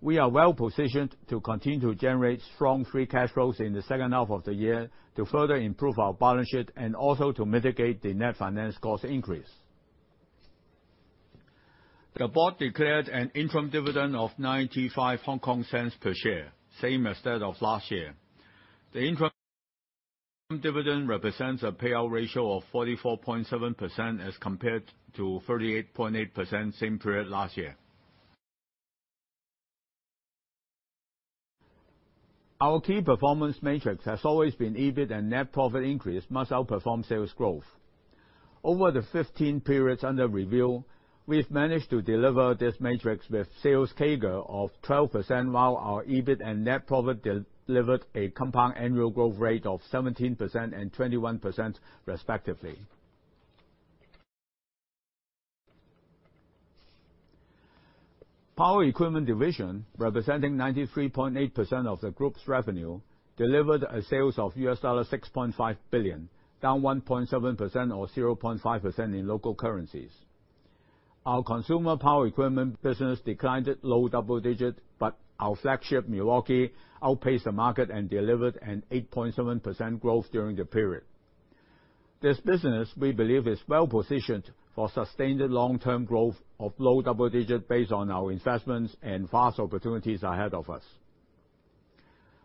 We are well positioned to continue to generate strong free cash flows in the second half of the year to further improve our balance sheet, and also to mitigate the net finance cost increase. The board declared an interim dividend of 0.95 per share, same as that of last year. The interim dividend represents a payout ratio of 44.7%, as compared to 38.8% same period last year. Our key performance metrics has always been EBIT and net profit increase must outperform sales growth. Over the 15 periods under review, we've managed to deliver this matric with sales CAGR of 12%, while our EBIT and net profit delivered a compound annual growth rate of 17% and 21% respectively. Power Equipment division, representing 93.8% of the group's revenue, delivered a sales of $6.5 billion, down 1.7% or 0.5% in local currencies. Our consumer power equipment business declined at low double digits, but our flagship, Milwaukee, outpaced the market and delivered an 8.7% growth during the period. This business, we believe, is well-positioned for sustained long-term growth of low double digits based on our investments and vast opportunities ahead of us.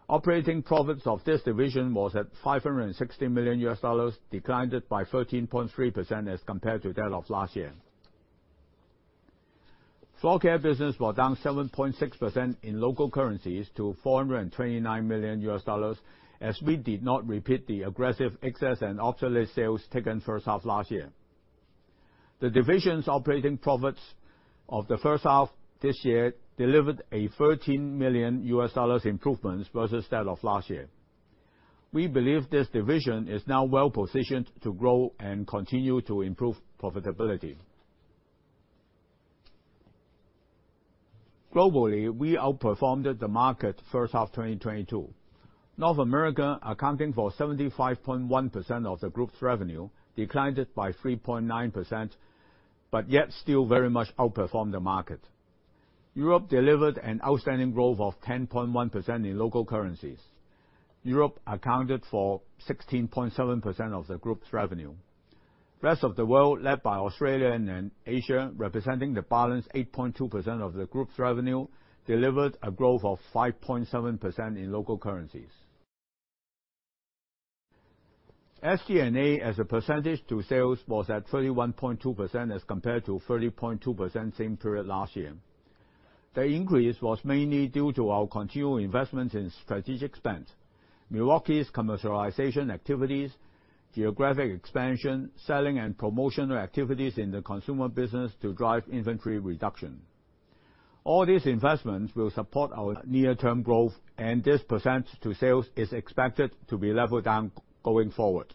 Operating profits of this division was at $560 million, declined by 13.3% as compared to that of last year. Floor care business was down 7.6% in local currencies to $429 million, as we did not repeat the aggressive excess and obsolete sales taken first half last year. The division's operating profits of the first half this year delivered a $13 million improvements versus that of last year. We believe this division is now well positioned to grow and continue to improve profitability. Globally, we outperformed the market first half 2022. North America, accounting for 75.1% of the group's revenue, declined by 3.9%, yet still very much outperformed the market. Europe delivered an outstanding growth of 10.1% in local currencies. Europe accounted for 16.7% of the group's revenue. Rest of the world, led by Australia and Asia, representing the balance 8.2% of the group's revenue, delivered a growth of 5.7% in local currencies. SG&A, as a percentage to sales, was at 31.2% as compared to 30.2% same period last year. The increase was mainly due to our continued investment in strategic spend. Milwaukee's commercialization activities, geographic expansion, selling and promotional activities in the consumer business to drive inventory reduction. All these investments will support our near-term growth, and this % to sales is expected to be leveled down going forward.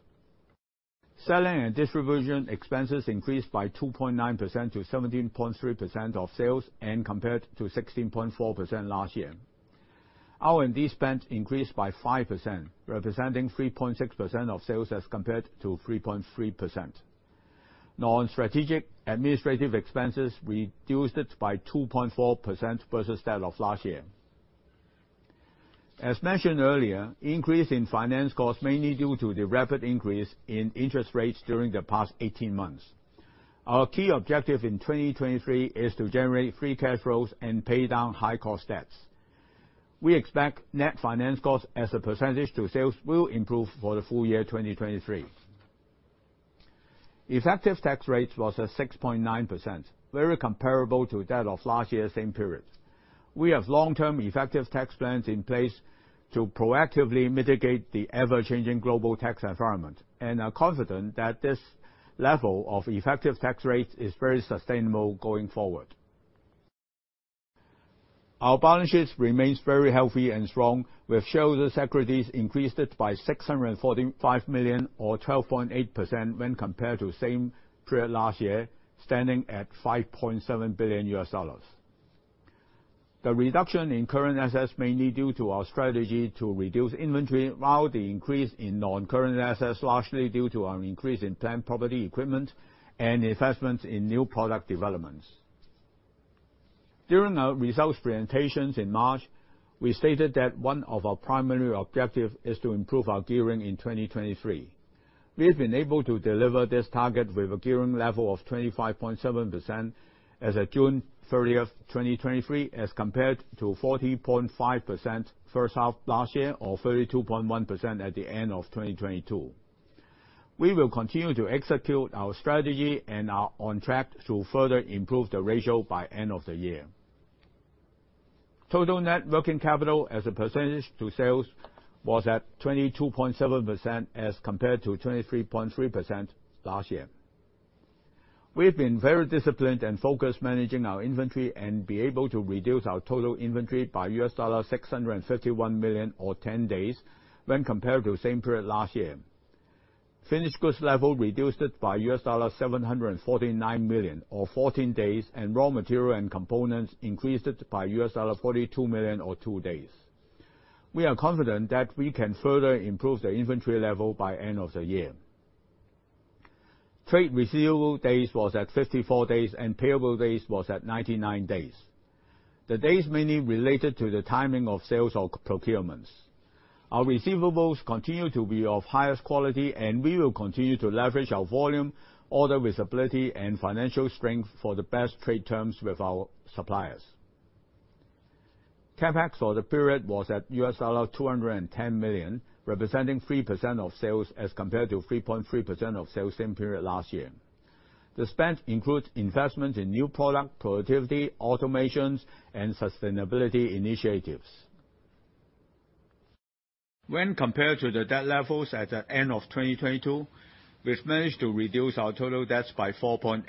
Selling and distribution expenses increased by 2.9% to 17.3% of sales and compared to 16.4% last year. R&D spend increased by 5%, representing 3.6% of sales as compared to 3.3%. Non-strategic administrative expenses reduced by 2.4% versus that of last year. As mentioned earlier, increase in finance costs mainly due to the rapid increase in interest rates during the past 18 months. Our key objective in 2023 is to generate free cash flows and pay down high cost debts. We expect net finance costs as a percentage to sales will improve for the full year 2023. Effective tax rate was at 6.9%, very comparable to that of last year, same period. We have long-term effective tax plans in place to proactively mitigate the ever-changing global tax environment, are confident that this level of effective tax rate is very sustainable going forward. Our balance sheet remains very healthy and strong, with shareholders' equities increased by $645 million, or 12.8%, when compared to same period last year, standing at $5.7 billion. The reduction in current assets mainly due to our strategy to reduce inventory, while the increase in non-current assets largely due to our increase in plant property equipment and investments in new product developments. During our results presentations in March, we stated that one of our primary objective is to improve our gearing in 2023. We have been able to deliver this target with a gearing level of 25.7% as of June 30th, 2023, as compared to 40.5% first half last year, or 32.1% at the end of 2022. We will continue to execute our strategy and are on track to further improve the ratio by end of the year. Total net working capital as a percentage to sales was at 22.7% as compared to 23.3% last year. We've been very disciplined and focused managing our inventory, and be able to reduce our total inventory by $631 million, or 10 days, when compared to the same period last year. finished goods level reduced it by $749 million or 14 days, and raw material and components increased it by $42 million or two days. We are confident that we can further improve the inventory level by end of the year. Trade receivable days was at 54 days, and payable days was at 99 days. The days mainly related to the timing of sales or procurements. Our receivables continue to be of highest quality, and we will continue to leverage our volume, order visibility, and financial strength for the best trade terms with our suppliers. CapEx for the period was at $210 million, representing 3% of sales as compared to 3.3% of sales same period last year. The spend includes investment in new product, productivity, automations, and sustainability initiatives. When compared to the debt levels at the end of 2022, we've managed to reduce our total debts by 4.8%.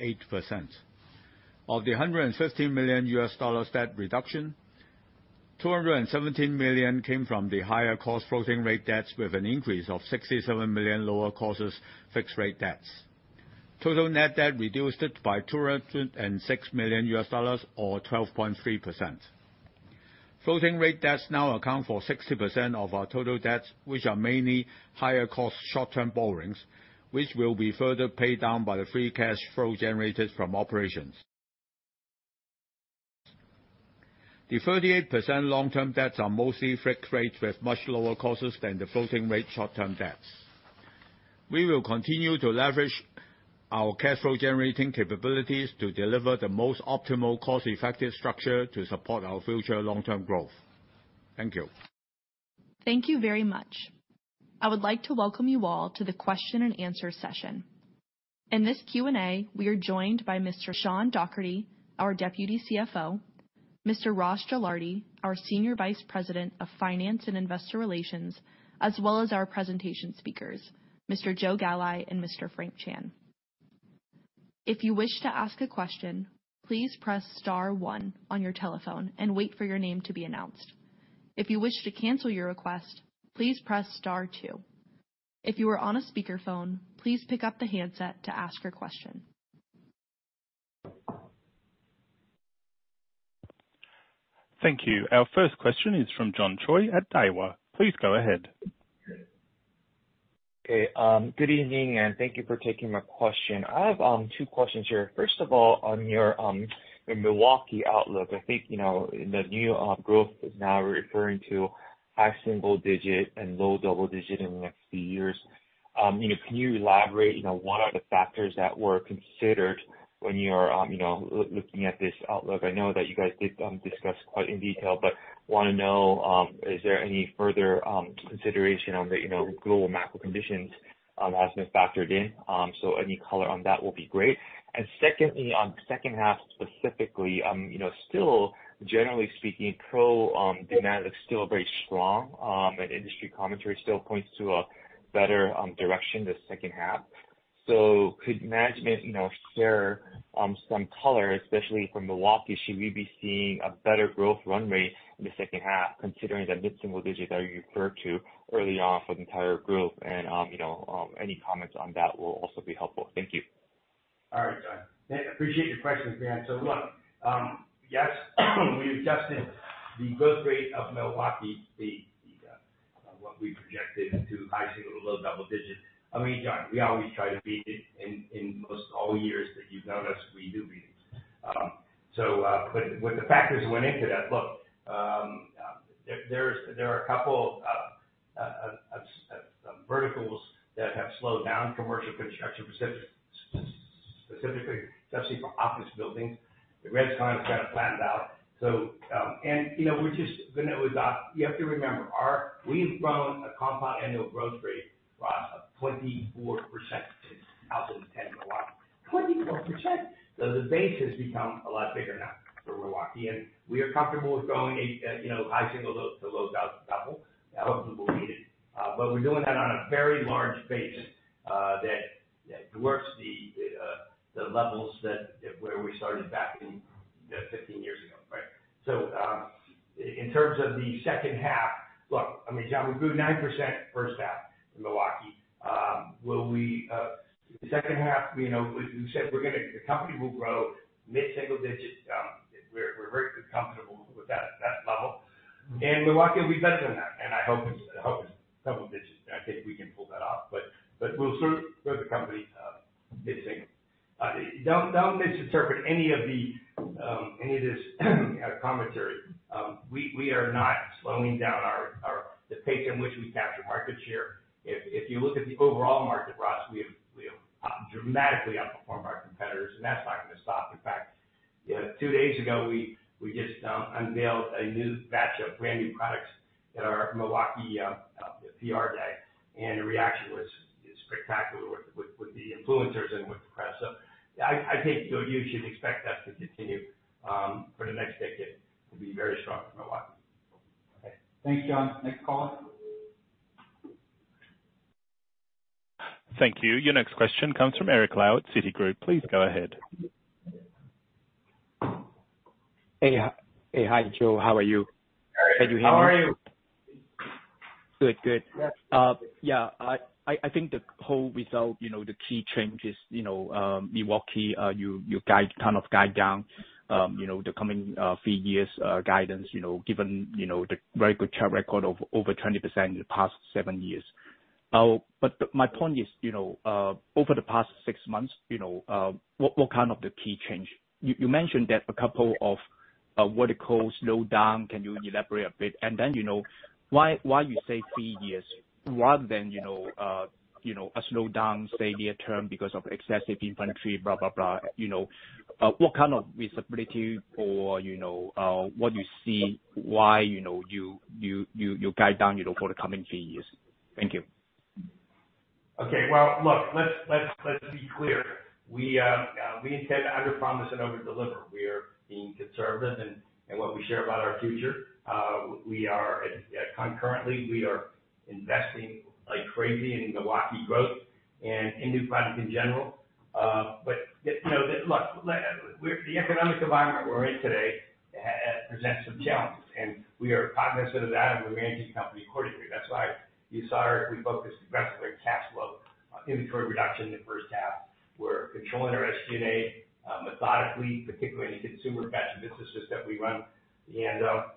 Of the $150 million debt reduction, $217 million came from the higher cost floating rate debts, with an increase of $67 million lower costs fixed rate debts. Total net debt reduced it by $206 million, or 12.3%. Floating rate debts now account for 60% of our total debts, which are mainly higher cost short-term borrowings, which will be further paid down by the free cash flow generated from operations. The 38% long-term debts are mostly fixed rate, with much lower costs than the floating rate short-term debts. We are continue to leverage our cash flow generating capabilities to deliver the most optimal, cost-effective structure to support our future long-term growth. Thank you. Thank you very much. I would like to welcome you all to the question and answer session. In this Q&A, we are joined by Mr. Sean Dougherty, our Deputy CFO, Mr. Ross Gilardi, our Senior Vice President of Finance and Investor Relations, as well as our presentation speakers, Mr. Joe Galli and Mr. Frank Chan. If you wish to ask a question, please press star one on your telephone and wait for your name to be announced. If you wish to cancel your request, please press star two. If you are on a speakerphone, please pick up the handset to ask your question. Thank you. Our first question is from John Choi at Daiwa. Please go ahead. Okay, good evening, and thank you for taking my question. I have two questions here. First of all, on your Milwaukee outlook, I think, you know, the new growth is now referring to high single digit and low double digit in the next few years. You know, can you elaborate, you know, what are the factors that were considered when you are, you know, looking at this outlook? I know that you guys did discuss quite in detail, but want to know, is there any further consideration on the, you know, global macro conditions, as been factored in? Any color on that will be great. Secondly, on the second half specifically, you know, still generally speaking, pro, demand is still very strong, and industry commentary still points to a better direction this second half. Could management, you know, share some color, especially from Milwaukee? Should we be seeing a better growth run rate in the second half, considering that mid-single digits are referred to early on for the entire group? You know, any comments on that will also be helpful. Thank you. All right, John. I appreciate your questions, man. Look, yes, we've adjusted the growth rate of Milwaukee, what we projected to high single to low double digits. I mean, John, we always try to beat it in, in most all years that you've known us, we do beat it. But with the factors that went into that, look, there, there's, there are a couple of, of, verticals that have slowed down commercial construction, specifically, specifically, especially for office buildings. The res/cons kind of flattened out. And, you know, we're just -- You have to remember, our-- we've grown a compound annual growth rate, Ross, of 24% out in Milwaukee. 24%! The base has become a lot bigger now for Milwaukee, and we are comfortable with growing a, you know, high single to low double. Hopefully, we'll beat it. But we're doing that on a very large base that, that dwarfs the levels that where we started back in 15 years ago, right? In terms of the second half, look, I mean, John, we grew 9% first half in Milwaukee. Will we... The second half, you know, we, we said we're gonna the company will grow mid-single digits. We're, we're very comfortable with that, that level. Milwaukee will be better than that, and I hope it's, I hope it's double digits. I think we can pull that off, but we'll serve the company, mid-single. Don't, don't misinterpret any of the, any of this, commentary. We, we are not slowing down our, our, the pace in which we capture market share. If, if you look at the overall market, Ross, we have, we have dramatically outperformed our competitors. That's not going to stop. In fact, you know, two days ago, we, we just unveiled a new batch of brand-new products at our Milwaukee PR day. The reaction was, is spectacular with, with, with the influencers and with the press. I, I think, Joe, you should expect that to continue for the next decade, to be very strong in Milwaukee. Okay. Thanks, John. Next caller? Thank you. Your next question comes from Eric Lau at Citigroup. Please go ahead. Hey, hi. Hey, hi, Joe. How are you? Can you hear me? How are you? Good, good. Yeah. Yeah, I, I, I think the whole result, you know, the key changes, you know, Milwaukee, you, you guide, kind of guide down, you know, the coming few years, guidance, you know, given, you know, the very good track record of over 20% in the past seven years. My point is, you know, over the past six months, you know, what, what kind of the key change? You, you mentioned that a couple of, what it called, slow down. Can you elaborate a bit? You know, why, why you say few years rather than, you know, a slowdown, say, near term, because of excessive inventory, blah, blah, blah. You know, what kind of visibility or, you know, what you see, why, you know, you, you, you, you guide down, you know, for the coming few years? Thank you. Okay, well, look, let's, let's, let's be clear. We, we intend to underpromise and overdeliver. We are being conservative in, in what we share about our future. We are, concurrently, we are investing like crazy in Milwaukee growth and in new products in general. You know, look, the economic environment we're in today, presents some challenges, and we are cognizant of that and we're managing the company accordingly. That's why you saw we focused aggressively on cash flow, on inventory reduction in the first half. We're controlling our SG&A, methodically, particularly in the consumer-facing businesses that we run. You know,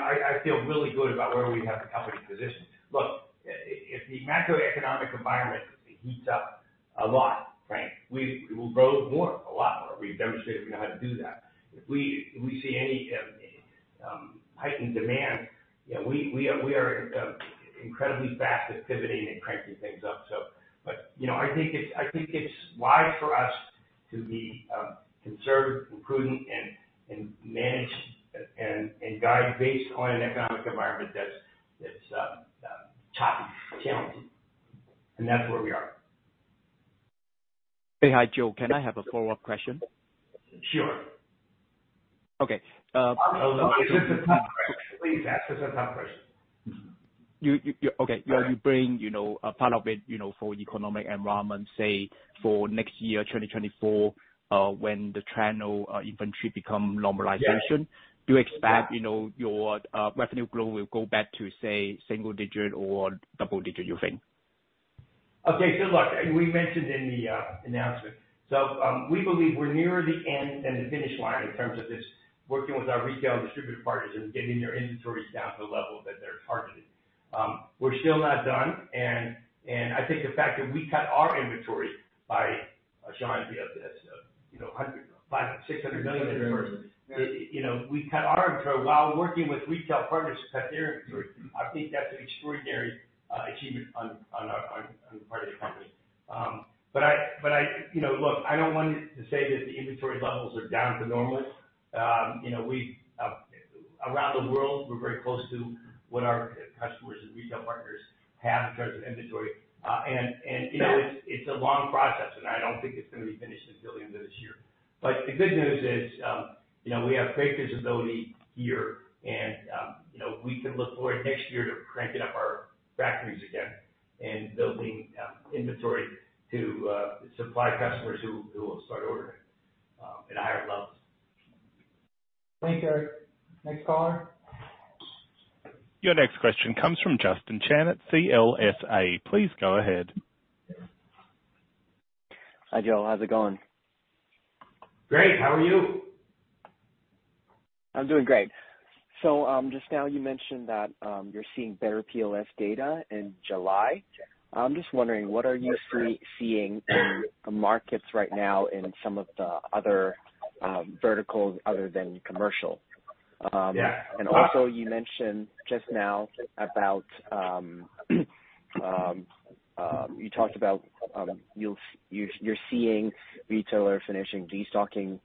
I, I feel really good about where we have the company positioned. Look, if the macroeconomic environment heats up a lot, right? We, we'll grow more, a lot more. We've demonstrated we know how to do that. If we, if we see any heightened demand, you know, we, we are, we are incredibly fast at pivoting and cranking things up, so. You know, I think it's, I think it's wise for us to be conservative, prudent, and manage and guide based on an economic environment that's, that's tough, challenging, and that's where we are. Hey, hi, Joe. Can I have a follow-up question? Sure. Okay. This is a tough question. Please ask. It's a tough question. Okay, you bring, you know, a part of it, you know, for economic environment, say, for next year, 2024, when the channel, inventory become normalization. Yeah. Do you expect, you know, your revenue growth will go back to, say, single digit or double digit, you think? Okay, look, we mentioned in the announcement. We believe we're near the end and the finish line in terms of this working with our retail distributor partners and getting their inventories down to the level that they're targeted. We're still not done, and I think the fact that we cut our inventory by a giant deal, that's, you know, $500-$600 million in the first. You know, we cut our inventory while working with retail partners to cut their inventory. I think that's an extraordinary achievement on our, on the part of the company. You know, look, I don't want to say that the inventory levels are down to normal. You know, we've around the world, we're very close to what our customers and retail partners have in terms of inventory. You know, it's, it's a long process, and I don't think it's going to be finished until the end of this year. The good news is, you know, we have great visibility here and, you know, we can look forward next year to cranking up our factories again and building inventory to supply customers who, who will start ordering at higher levels. Thank you. Next caller. Your next question comes from Justin Chan at CLSA. Please go ahead. Hi, Joe. How's it going? Great. How are you? I'm doing great. Just now you mentioned that, you're seeing better POS data in July. Yeah. I'm just wondering, what are you seeing in the markets right now in some of the other verticals other than commercial? Yeah. Also you mentioned just now about, you talked about, you'll, you're, you're seeing retailers finishing destocking,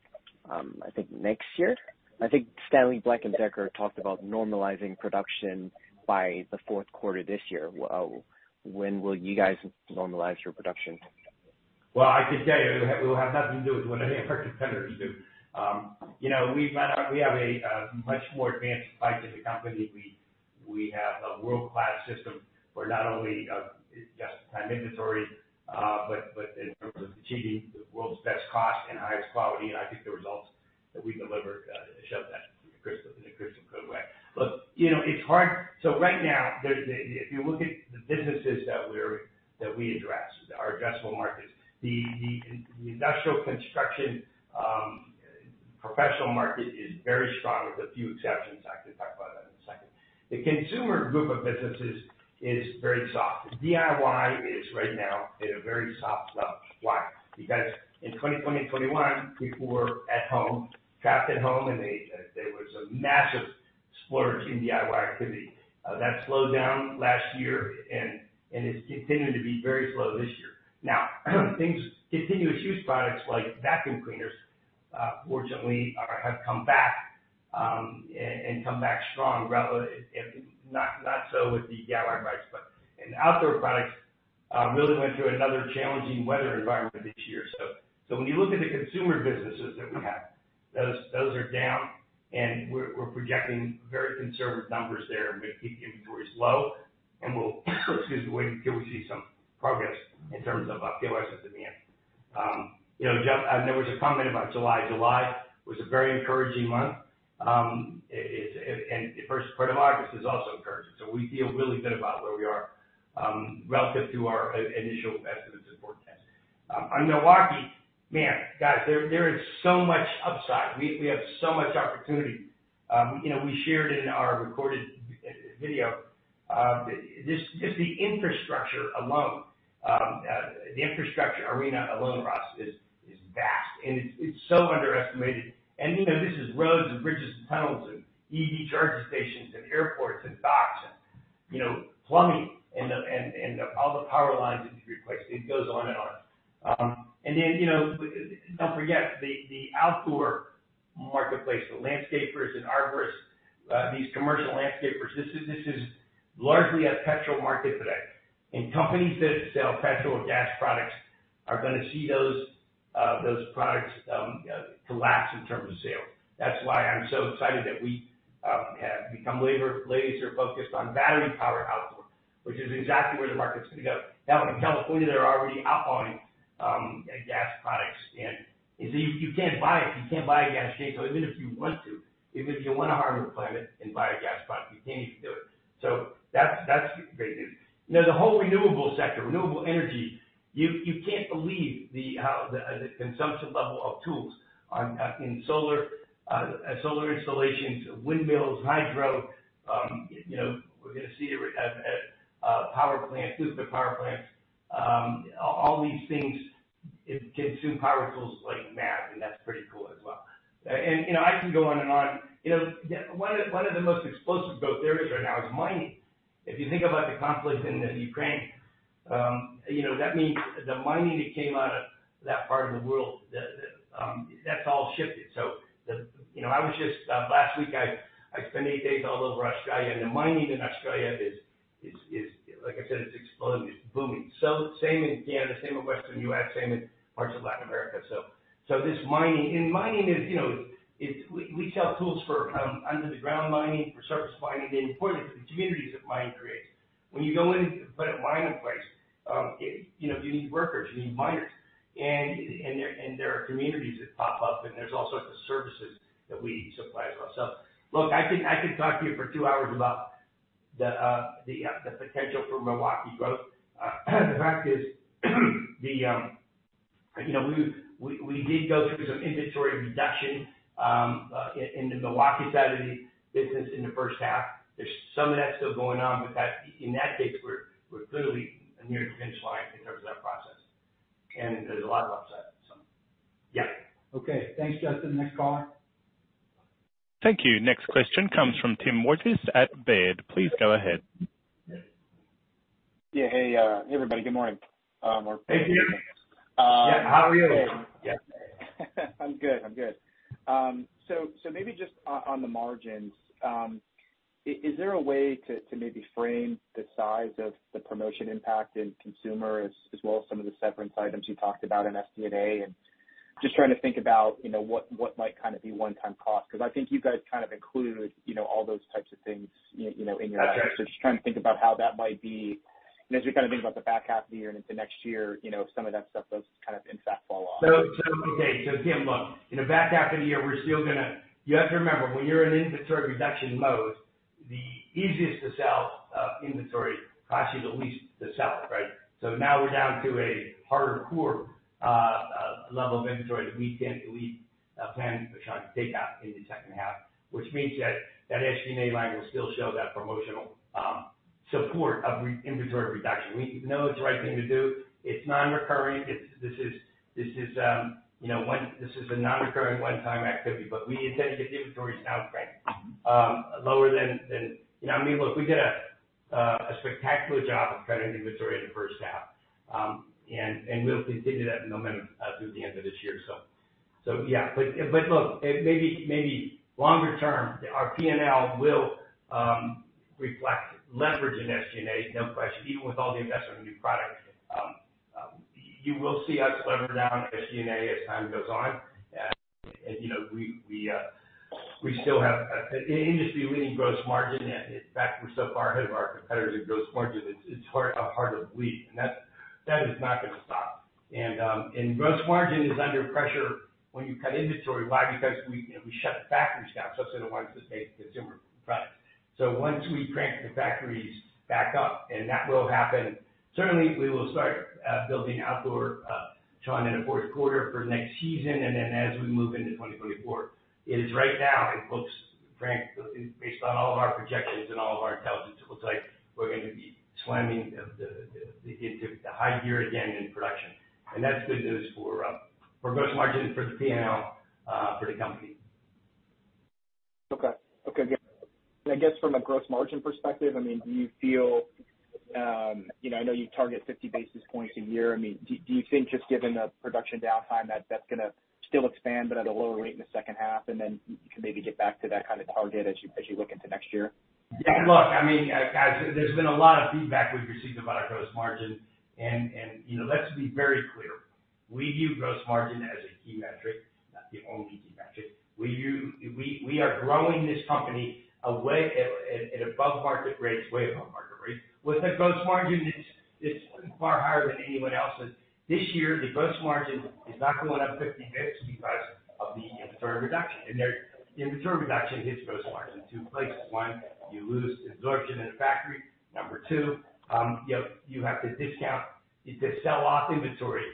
I think next year. I think Stanley Black & Decker talked about normalizing production by the fourth quarter this year. When will you guys normalize your production? Well, I can tell you, it will have nothing to do with what any of our competitors do. You know, we have a much more advanced supply chain company. We have a world-class system for not only just-in-time inventory, but in terms of achieving the world's best cost and highest quality, I think the results that we deliver show that in a crystal clear way. Look, you know, it's hard. Right now, there's a, if you look at the businesses that we address, our addressable markets, the industrial construction, professional market is very strong, with a few exceptions. I can talk about that in a second. The consumer group of businesses is very soft. DIY is right now at a very soft level. Why? In 2020 and 2021, people were at home, trapped at home, and they, there was a massive splurge in DIY activity. That slowed down last year, and it's continuing to be very slow this year. Now, things, continuous use products like vacuum cleaners, fortunately, are, have come back, and come back strong, rela- not so with the DIY products, but in outdoor products, really went through another challenging weather environment this year. When you look at the consumer businesses that we have, those, those are down and we're, we're projecting very conservative numbers there. We're going to keep inventories low and we'll excuse me, wait until we see some progress in terms of PLS and demand. You know, Jeff, there was a comment about July. July was a very encouraging month. The first part of August is also encouraging, so we feel really good about where we are relative to our initial estimates and forecast. On Milwaukee, man, guys, there is so much upside. We have so much opportunity. You know, we shared in our recorded video, the infrastructure alone, the infrastructure arena alone, Ross, is vast, and it's so underestimated. You know, this is roads and bridges and tunnels and EV charging stations and airports and docks and, you know, plumbing, and all the power lines that need replaced. It goes on and on. You know, don't forget the, the outdoor marketplace, the landscapers and arborists, these commercial landscapers, this is, this is largely a petrol market today, and companies that sell petrol or gas products are gonna see those, those products collapse in terms of sales. That's why I'm so excited that we have become laser focused on battery-powered outdoor, which is exactly where the market's gonna go. Now, in California, they're already outlawing gas products, and so you, you can't buy it. You can't buy a gas chain. Even if you want to, even if you want to harm the planet and buy a gas product, you can't even do it. That's, that's great news. You know, the whole renewable sector, renewable energy, you, you can't believe the consumption level of tools on in solar solar installations, windmills, hydro. You know, we're gonna see power plants, super power plants. All these things consume power tools like mad, and that's pretty cool as well. You know, I can go on and on. You know, one of, one of the most explosive growth areas right now is mining. If you think about the conflict in Ukraine, you know, that means the mining that came out of that part of the world, that's all shifted. You know, I was just last week, I spent eight days all over Australia, and the mining in Australia is, like I said, it's exploding. It's booming. Same in Canada, same in Western U.S., same in parts of Latin America. This mining. Mining is, you know, it's we, we sell tools for, under the ground mining, for surface mining, and importantly, the communities that mining creates. When you go in and put a mine in place, it, you know, you need workers, you need miners, and, and there, and there are communities that pop up, and there's all sorts of services that we supply as well. Look, I could, I could talk to you for two hours about the, the, the potential for Milwaukee growth. The fact is, the, you know, we, we, we did go through some inventory reduction, in, in the Milwaukee side of the business in the first half. There's some of that still going on, but in that case, we're, we're clearly near the finish line in terms of that process, and there's a lot of upside. Yeah. Okay, thanks, Justin. Next caller? Thank you. Next question comes from Tim Wojs at Baird. Please go ahead. Yeah. Hey, hey, everybody. Good morning. Hey, Tim. Uh. Yeah, how are you? I'm good. I'm good. So, so maybe just on, on the margins, is there a way to, to maybe frame the size of the promotion impact in consumer, as, as well as some of the severance items you talked about in SG&A? Just trying to think about, you know, what, what might kind of be one-time cost, because I think you guys kind of included, you know, all those types of things, you, you know, in your- Okay. Just trying to think about how that might be, and as we kind of think about the back half of the year and into next year, you know, if some of that stuff does kind of in fact fall off. Okay. Tim, look, in the back half of the year, we're still going to. You have to remember, when you're in inventory reduction mode, the easiest to sell inventory costs you the least to sell it, right? Now we're down to a harder core level of inventory that we can, we plan to try to take out in the second half, which means that that SG&A line will still show that promotional support of re- inventory reduction. We know it's the right thing to do. It's non-recurring. It's, you know, this is a non-recurring, one-time activity, but we intend to get the inventories down, Frank, lower than, than. You know, I mean, look, we did a spectacular job of cutting inventory in the first half. And we'll continue that momentum through the end of this year. Maybe longer term, our P&L will reflect leverage in SG&A, no question, even with all the investment in new products. You will see us lever down SG&A as time goes on. You know, we, we still have a, a industry-leading gross margin. In fact, we're so far ahead of our competitors in gross margin, it's, it's hard, hard to believe, and that, that is not gonna stop. And gross margin is under pressure when you cut inventory. Why? Because we, you know, we shut the factories down, so the ones that make consumer products. Once we crank the factories back up, and that will happen, certainly we will start building outdoor, John, in the fourth quarter for next season, and then as we move into 2024. It is right now, it looks, Frank, based on all of our projections and all of our intelligence, it looks like we're going to be slamming into high gear again in production. That's good news for gross margin, for the PNL, for the company. Okay. Okay, good. I guess from a gross margin perspective, I mean, do you feel, You know, I know you target 50 basis points a year. I mean, do, do you think just given the production downtime, that that's gonna still expand but at a lower rate in the second half, and then you can maybe get back to that kind of target as you, as you look into next year? Yeah, look, I mean, guys, there's been a lot of feedback we've received about our gross margin, and, and, you know, let's be very clear. We view gross margin as a key metric. Not the only dimension. We, we are growing this company away at, at, at above market rates, way above market rates. With the gross margin, it's, it's far higher than anyone else's. This year, the gross margin is not going up 50 basis points because of the inventory reduction. There, the inventory reduction hits gross margin in two places. One, you lose absorption in a factory. Number two, you have to discount to sell off inventory.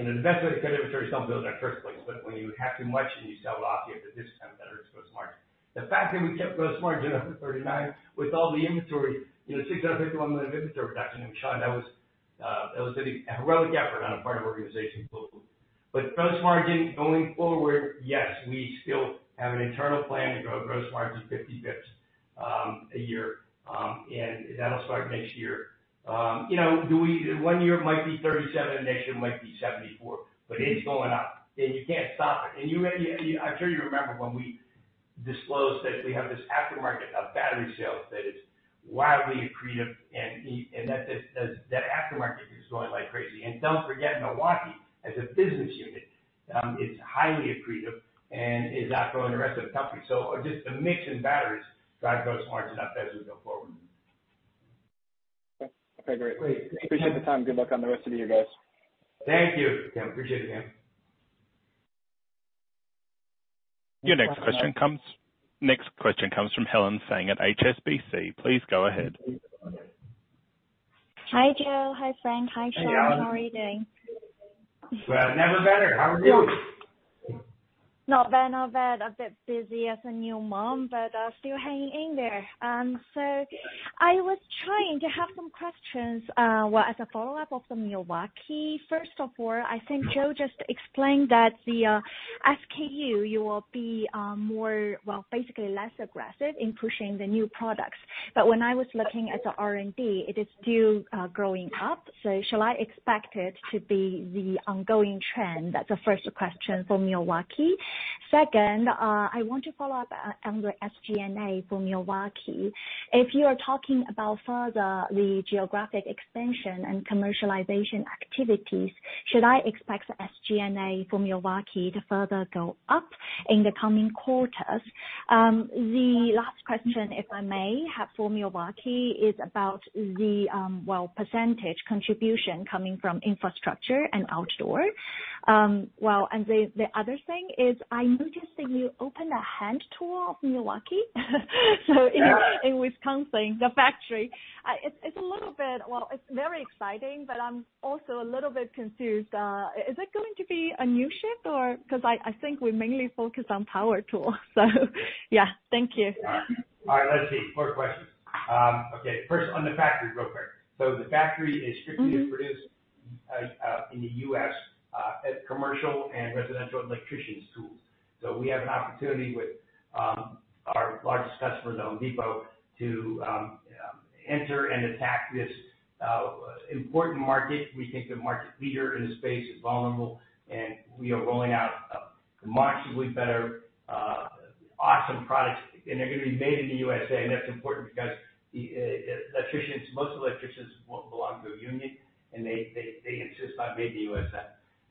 In an investment, good inventory don't build in the first place, but when you have too much and you sell it off, you have to discount that into gross margin. The fact that we kept gross margin at 39 with all the inventory, you know, $651 million inventory reduction in Sean, that was a heroic effort on the part of our organization globally. Gross margin going forward, yes, we still have an internal plan to grow gross margin 50 basis points a year. That'll start next year. You know, do we -- one year it might be 37, the next year it might be 74, but it's going up and you can't stop it. You, and, and I'm sure you remember when we disclosed that we have this aftermarket of battery sales that is wildly accretive and, and that, that, that aftermarket is growing like crazy. Don't forget, Milwaukee, as a business unit, is highly accretive and is outgrowing the rest of the company. Just the mix in batteries drive gross margin up as we go forward. Okay, great. Great. Appreciate the time. Good luck on the rest of you guys. Thank you. Yeah, appreciate it, Dan. Your next question next question comes from Helen Tsang at HSBC. Please go ahead. Hi, Joe. Hi, Frank. Hi, Sean. Hi, Helen. How are you doing? Well, never better. How are you? Not bad, not bad. A bit busy as a new mom, but still hanging in there. I was trying to have some questions, well, as a follow-up of the Milwaukee. First of all, I think Joe just explained that the SKU, you will be more, well, basically less aggressive in pushing the new products. When I was looking at the R&D, it is still growing up. Shall I expect it to be the ongoing trend? That's the first question for Milwaukee. Second, I want to follow up on the SG&A for Milwaukee. If you are talking about further the geographic expansion and commercialization activities, should I expect the SG&A for Milwaukee to further go up in the coming quarters? The last question, if I may have for Milwaukee, is about the, well, percentage contribution coming from infrastructure and outdoor. Well, the other thing is, I noticed that you opened a hand tool, Milwaukee, so in, in Wisconsin, the factory. It's, it's a little bit. Well, it's very exciting, but I'm also a little bit confused. Is it going to be a new ship or? Because I, I think we mainly focus on power tools. Yeah. Thank you. All right, let's see. Four questions. Okay, first, on the factory, real quick. The factory is strictly to produce in the US as commercial and residential electricians tools. We have an opportunity with our largest customer, Home Depot, to enter and attack this important market. We think the market leader in the space is vulnerable, and we are rolling out a much better, awesome products, and they're going to be made in the USA. That's important because electricians, most electricians, belong to a union, and they, they, they insist on made in the USA. I,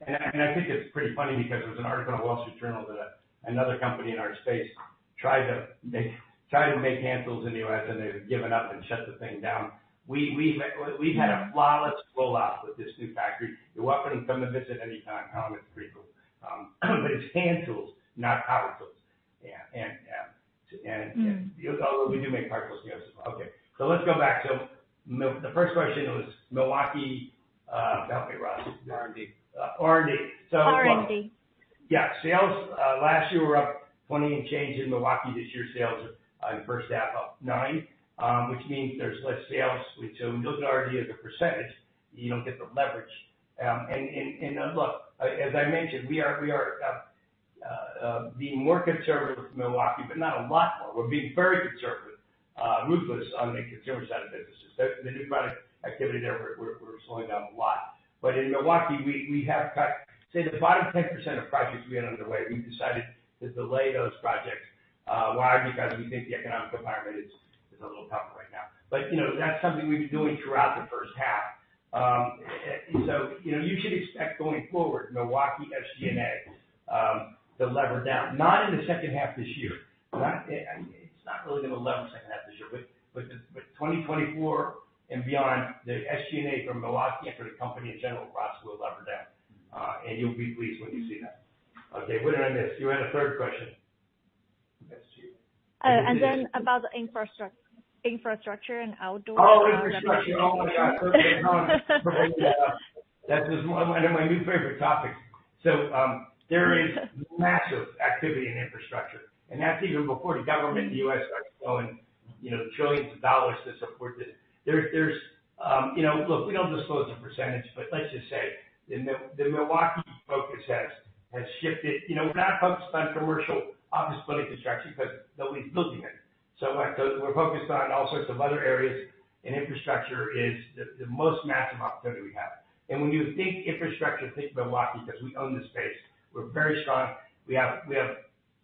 and I think it's pretty funny because there was an article in the Wall Street Journal that another company in our space tried to make, tried to make hand tools in the U.S. and they've given up and shut the thing down. We, we've had a flawless rollout with this new factory. You're welcome to come to visit anytime. It's pretty cool. It's hand tools, not power tools. Yeah. Mm. although we do make power tools as well. Okay, let's go back. Mil- the first question was Milwaukee, help me, Ross. R&D. R&D. R&D. Yeah. Sales last year were up 20 and change in Milwaukee. This year, sales are in first half, up nine, which means there's less sales. Which when you look at R&D as a %, you don't get the leverage. Look, as I mentioned, we are, we are being more conservative with Milwaukee, but not a lot more. We're being very conservative, ruthless on the consumer side of the business. The new product activity there, we're slowing down a lot. In Milwaukee, we have cut, say, the bottom 10% of projects we had underway. We've decided to delay those projects. Why? Because we think the economic environment is a little tough right now. You know, that's something we've been doing throughout the first half. You know, you should expect, going forward, Milwaukee SG&A to lever down. Not in the second half this year. Not, I mean, it's not really going to lever the second half this year, but, but, but 2024 and beyond, the SG&A from Milwaukee and for the company in general, Ross, will lever down. You'll be pleased when you see that. Okay, we're end this. You had a third question. Yes. Then about the infrastructure and outdoor. Oh, infrastructure. Oh, my God! That is one of my new favorite topics. There is massive activity in infrastructure, and that's even before the government, the U.S. starts throwing, you know, trillions of dollars to support this. There's, there's, you know, look, we don't disclose the percentage, but let's just say the Milwaukee focus has, has shifted. You know, we're not focused on commercial office building construction because nobody's building it. We're, we're focused on all sorts of other areas, and infrastructure is the, the most massive opportunity we have. When you think infrastructure, think Milwaukee, because we own the space. We're very strong. We have, we have-...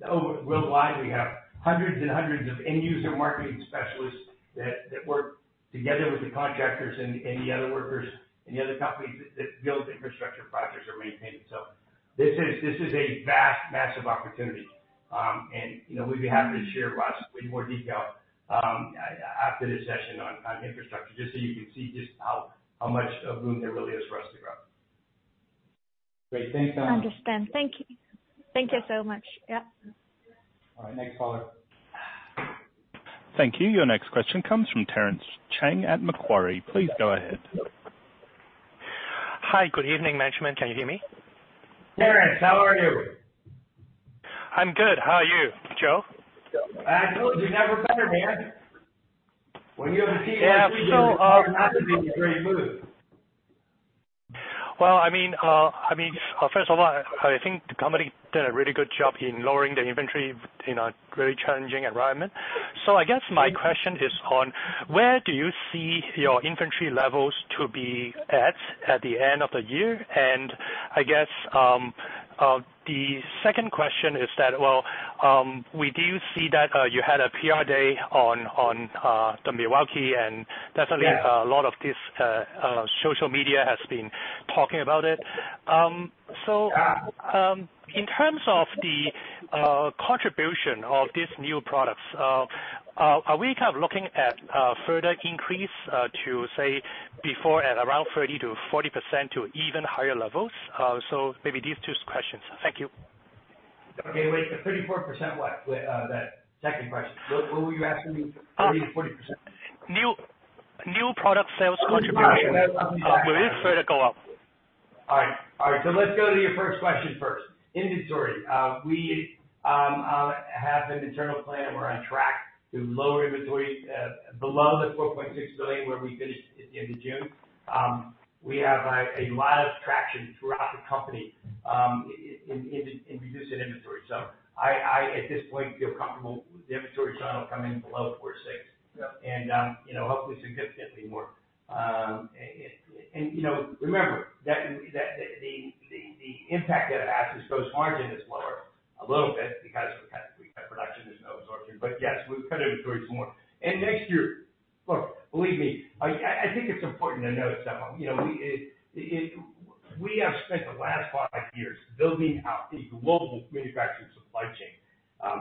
Oh, worldwide, we have hundreds and hundreds of end user marketing specialists that work together with the contractors and the other workers, and the other companies that build infrastructure projects or maintain it. This is a vast, massive opportunity. You know, we'd be happy to share with us way more detail after this session on infrastructure, just so you can see just how much of room there really is for us to grow. Great. Thanks, Stella. I understand. Thank you. Thank you so much. Yeah. All right, next caller. Thank you. Your next question comes from Terence Chang at Macquarie. Please, go ahead. Hi, good evening, management. Can you hear me? Terence, how are you? I'm good. How are you, Joe? Absolutely never better, man. When you have a team like we do- Yeah. We're in a great mood. Well, I mean, I mean, first of all, I, I think the company did a really good job in lowering the inventory in a very challenging environment. I guess my question is on, where do you see your inventory levels to be at, at the end of the year? I guess, the second question is that well, we do see that, you had a PR day on, on, the Milwaukee, and definitely- Yeah A lot of this social media has been talking about it. Yeah... in terms of the contribution of these new products, are we kind of looking at further increase to say before, at around 30% - 40% to even higher levels? Maybe these two questions. Thank you. Okay. Wait, the 34% what? That second question. What, what were you asking me, 30% - 40%? New, new product sales contribution- Okay, got it. will it further go up? All right. All right, let's go to your first question first. Inventory. We have an internal plan, and we're on track to lower inventory below the $4.6 billion, where we finished at the end of June. We have a lot of traction throughout the company in reducing inventory. I, I, at this point, feel comfortable the inventory side will come in below $4.6 billion. Yep. You know, hopefully significantly more. You know, remember that, that the, the, the impact that it has, is gross margin is lower a little bit because we cut production, there's no absorption. Yes, we've cut inventories more. Next year -- Look, believe me, I, I think it's important to note, Stella, you know, we have spent the last five years building out a global manufacturing supply chain.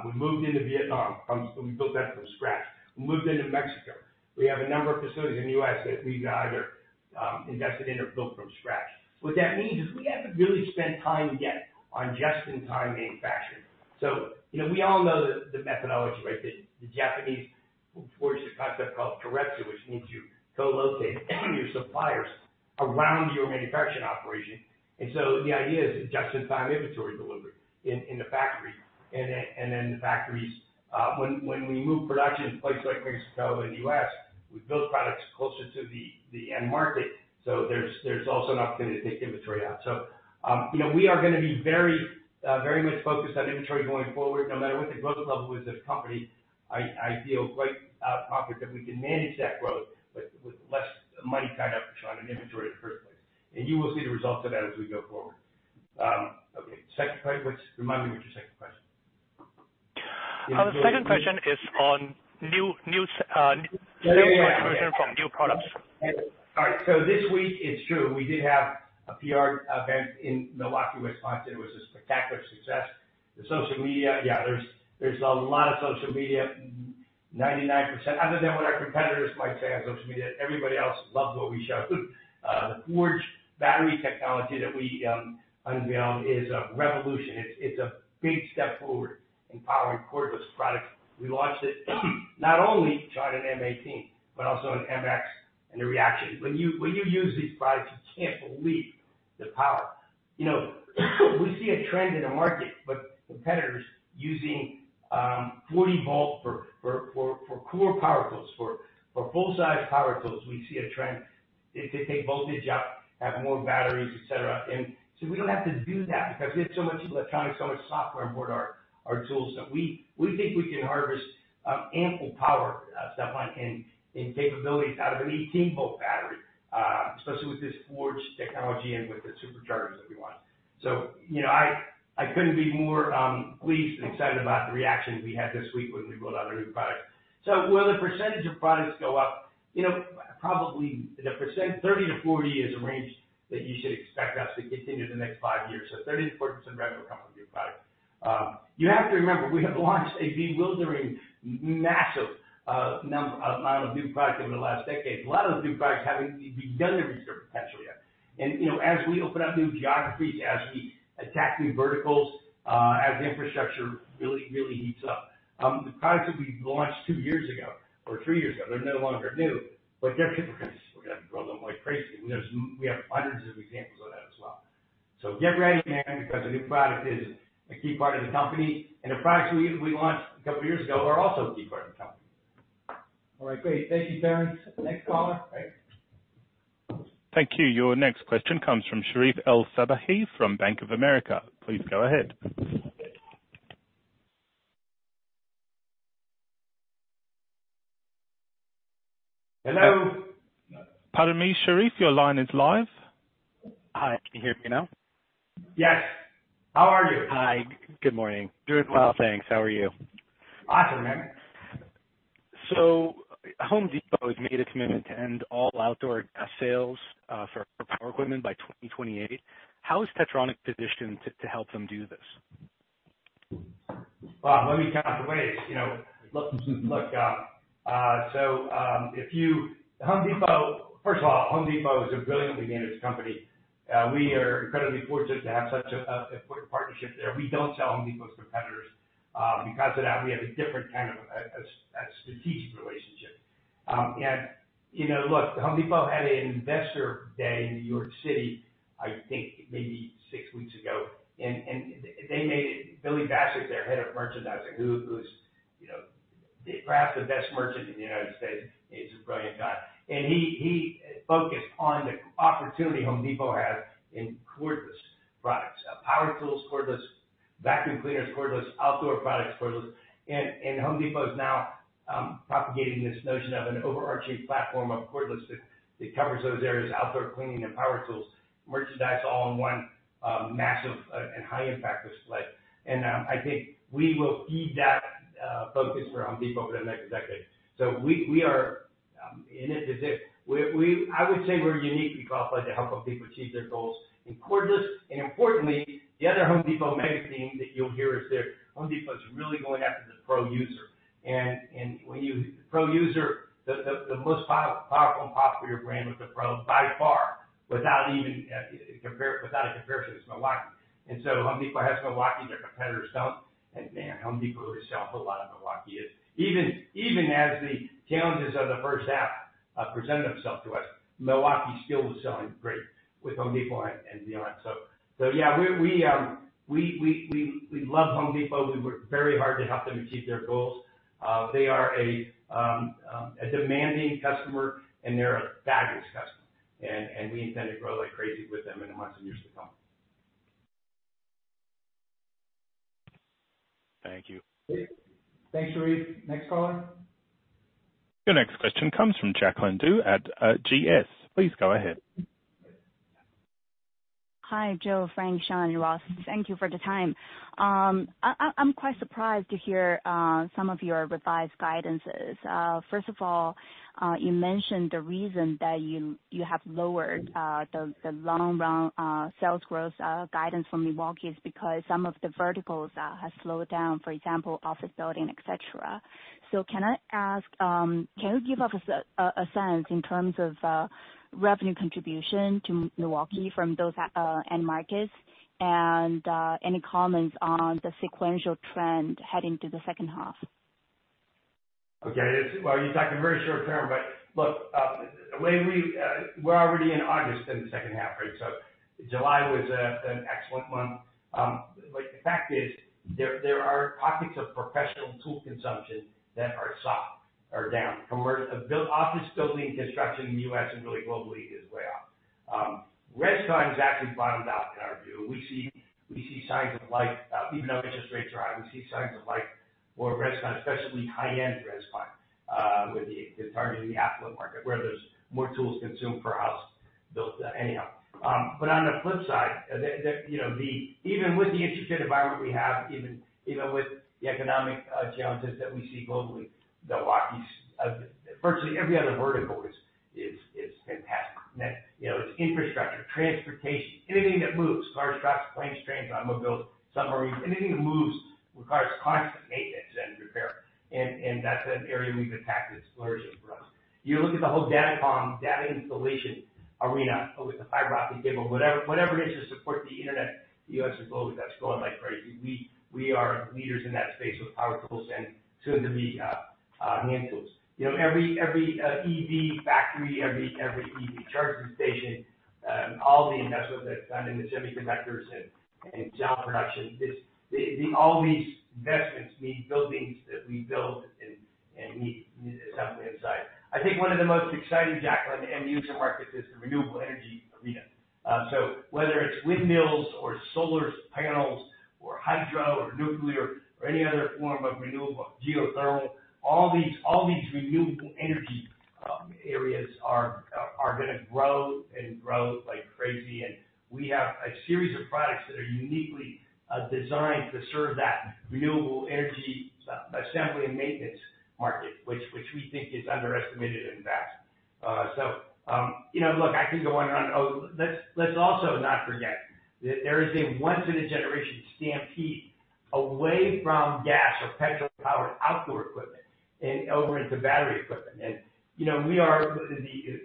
We moved into Vietnam from -- we built that from scratch. We moved into Mexico. We have a number of facilities in the U.S. that we've either invested in or built from scratch. What that means is we haven't really spent time yet on just-in-time manufacturing. You know, we all know the, the methodology, right? The Japanese forged a concept called teikei, which means you co-locate your suppliers around your manufacturing operation. So the idea is just-in-time inventory delivery in the factory, and then the factories. When we move production to places like Mexico and the US, we build products closer to the end market, so there's also an opportunity to take inventory out. So, you know, we are gonna be very much focused on inventory going forward, no matter what the growth level is of the company. I feel quite confident that we can manage that growth with less money tied up on an inventory in the first place. You will see the results of that as we go forward. Okay, second question. What's, remind me what's your second question? The second question is on new, new, new version from new products. All right. This week, it's true, we did have a PR event in Milwaukee, Wisconsin. It was a spectacular success. The social media, yeah, there's, there's a lot of social media, 99%, other than what our competitors might say on social media, everybody else loved what we showed. The FORGE battery technology that we unveiled is a revolution. It's, it's a big step forward in powering cordless products. We launched it not only tried an M18, but also an MX and a reaction. When you, when you use these products, you can't believe the power. You know, we see a trend in the market with competitors using 40 volt for, for, for, for core power tools, for, for full-sized power tools. We see a trend. They, they take voltage up, have more batteries, et cetera. We don't have to do that because we have so much electronics, so much software on board our, our tools, that we, we think we can harvest ample power, stuff like in capabilities out of an 18 volt battery, especially with this FORGE technology and with the Super Chargers that we want. You know, I, I couldn't be more pleased and excited about the reactions we had this week when we rolled out our new product. Will the percentage of products go up? You know, probably the %. 30-40 is a range that you should expect us to continue the next five years. 30% - 40% revenue come from new products. You have to remember, we have launched a bewildering, massive amount of new products over the last decade. A lot of the new products haven't done their research potentially yet. You know, as we open up new geographies, as we attack new verticals, as infrastructure really, really heats up, the products that we launched two years ago or three years ago, they're no longer new, but they're different. We're gonna grow them like crazy. There's we have hundreds of examples of that as well. Get ready, man, because the new product is a key part of the company, and the products we, we launched a couple of years ago are also a key part of the company. All right, great. Thank you, Terence. Next caller, please. Thank you. Your next question comes from Sherif El-Sabbahy, from Bank of America. Please go ahead. Hello? Pardon me, Sherif, your line is live. Hi, can you hear me now? Yes. How are you? Hi. Good morning. Doing well, thanks. How are you? Awesome, man. Home Depot has made a commitment to end all outdoor sales for power equipment by 2028. How is Techtronic positioned to help them do this? Well, let me count the ways. You know, look, look, so, Home Depot, First of all, Home Depot is a brilliantly managed company. We are incredibly fortunate to have such a good partnership there. We don't sell Home Depot's competitors. Because of that, we have a different kind of a strategic relationship. You know, look, Home Depot had an investor day in New York City, I think maybe six weeks ago, and they made it, Billy Bassett, their Head of Merchandising, who's, you know, perhaps the best merchant in the United States, he's a brilliant guy. He, he focused on the opportunity Home Depot has in cordless products, power tools, cordless vacuum cleaners, cordless outdoor products, cordless... Home Depot is now propagating this notion of an overarching platform of cordless that covers those areas, outdoor cleaning and power tools, merchandise, all in one massive and high impact display. I think we will feed that focus for Home Depot over the next decade. We, we are in it to win it. We I would say we're uniquely qualified to help Home Depot achieve their goals in cordless. Importantly, the other Home Depot messaging that you'll hear is that Home Depot is really going after the pro user. When Pro user, the, the, the most powerful and popular brand with the pro, by far, without even without a comparison, is Milwaukee. Home Depot has Milwaukee, their competitors don't. Man, Home Depot itself, a lot of Milwaukee is. Even, even as the challenges of the first half, presented themselves to us, Milwaukee still was selling great with Home Depot and, and beyond. So yeah, we, we, we, we, we love Home Depot. We work very hard to help them achieve their goals. They are a, a demanding customer, and they're a fabulous customer, and, and we intend to grow like crazy with them in the months and years to come. Thank you. Thanks, Sharif. Next caller. Your next question comes from Jacqueline Du at GS. Please go ahead. Okay, I'll take the first question. The question is about the long-run sales growth guidance for Milwaukee. You mentioned that some of the verticals have slowed down, for example, office building, et cetera. Can I ask, can you give us a sense in terms of revenue contribution to Milwaukee from those end markets? And any comments on the sequential trend heading to the second half? Okay. Well, you talked in very short term, look, the way we, we're already in August in the second half, right? July was a, an excellent month. The fact is, there, there are pockets of professional tool consumption that are soft or down from where-- build, office building construction in the U.S. and really globally is way off. rescon has actually bottomed out in our view. We see, we see signs of light, even though interest rates are high, we see signs of light for rescon, especially high-end rescon, with the, the target in the affluent market, where there's more tools consumed per house built. On the flip side, the, you know, even with the interest rate environment we have, even, even with the economic challenges that we see globally, Milwaukee's virtually every other vertical is, is, is fantastic. Net. You know, it's infrastructure, transportation, anything that moves, cars, trucks, planes, trains, automobiles, submarines, anything that moves requires constant maintenance and repair. That's an area we've attacked that's flourishing for us. You look at the whole data comm, data installation arena, with the fiber optic cable, whatever, whatever it is, to support the internet, the U.S. is global. That's growing like crazy. We are leaders in that space with power tools and soon to be hand tools. You know, every, every EV factory, every, every EV charging station, all the investment that's done in the semiconductors and, and job production, all these investments need buildings that we build and, and need assembly inside. I think one of the most exciting, Jacqueline, end user markets is the renewable energy arena. So whether it's windmills or solar panels or hydro or nuclear or any other form of renewable, geothermal, all these, all these renewable energy areas are, are, are gonna grow and grow like crazy. We have a series of products that are uniquely designed to serve that renewable energy as-assembly and maintenance market, which, which we think is underestimated and vast. So, you know, look, I could go on and on. Oh, let's, let's also not forget that there is a once in a generation stampede away from gas or petrol-powered outdoor equipment and over into battery equipment. You know, we are in the,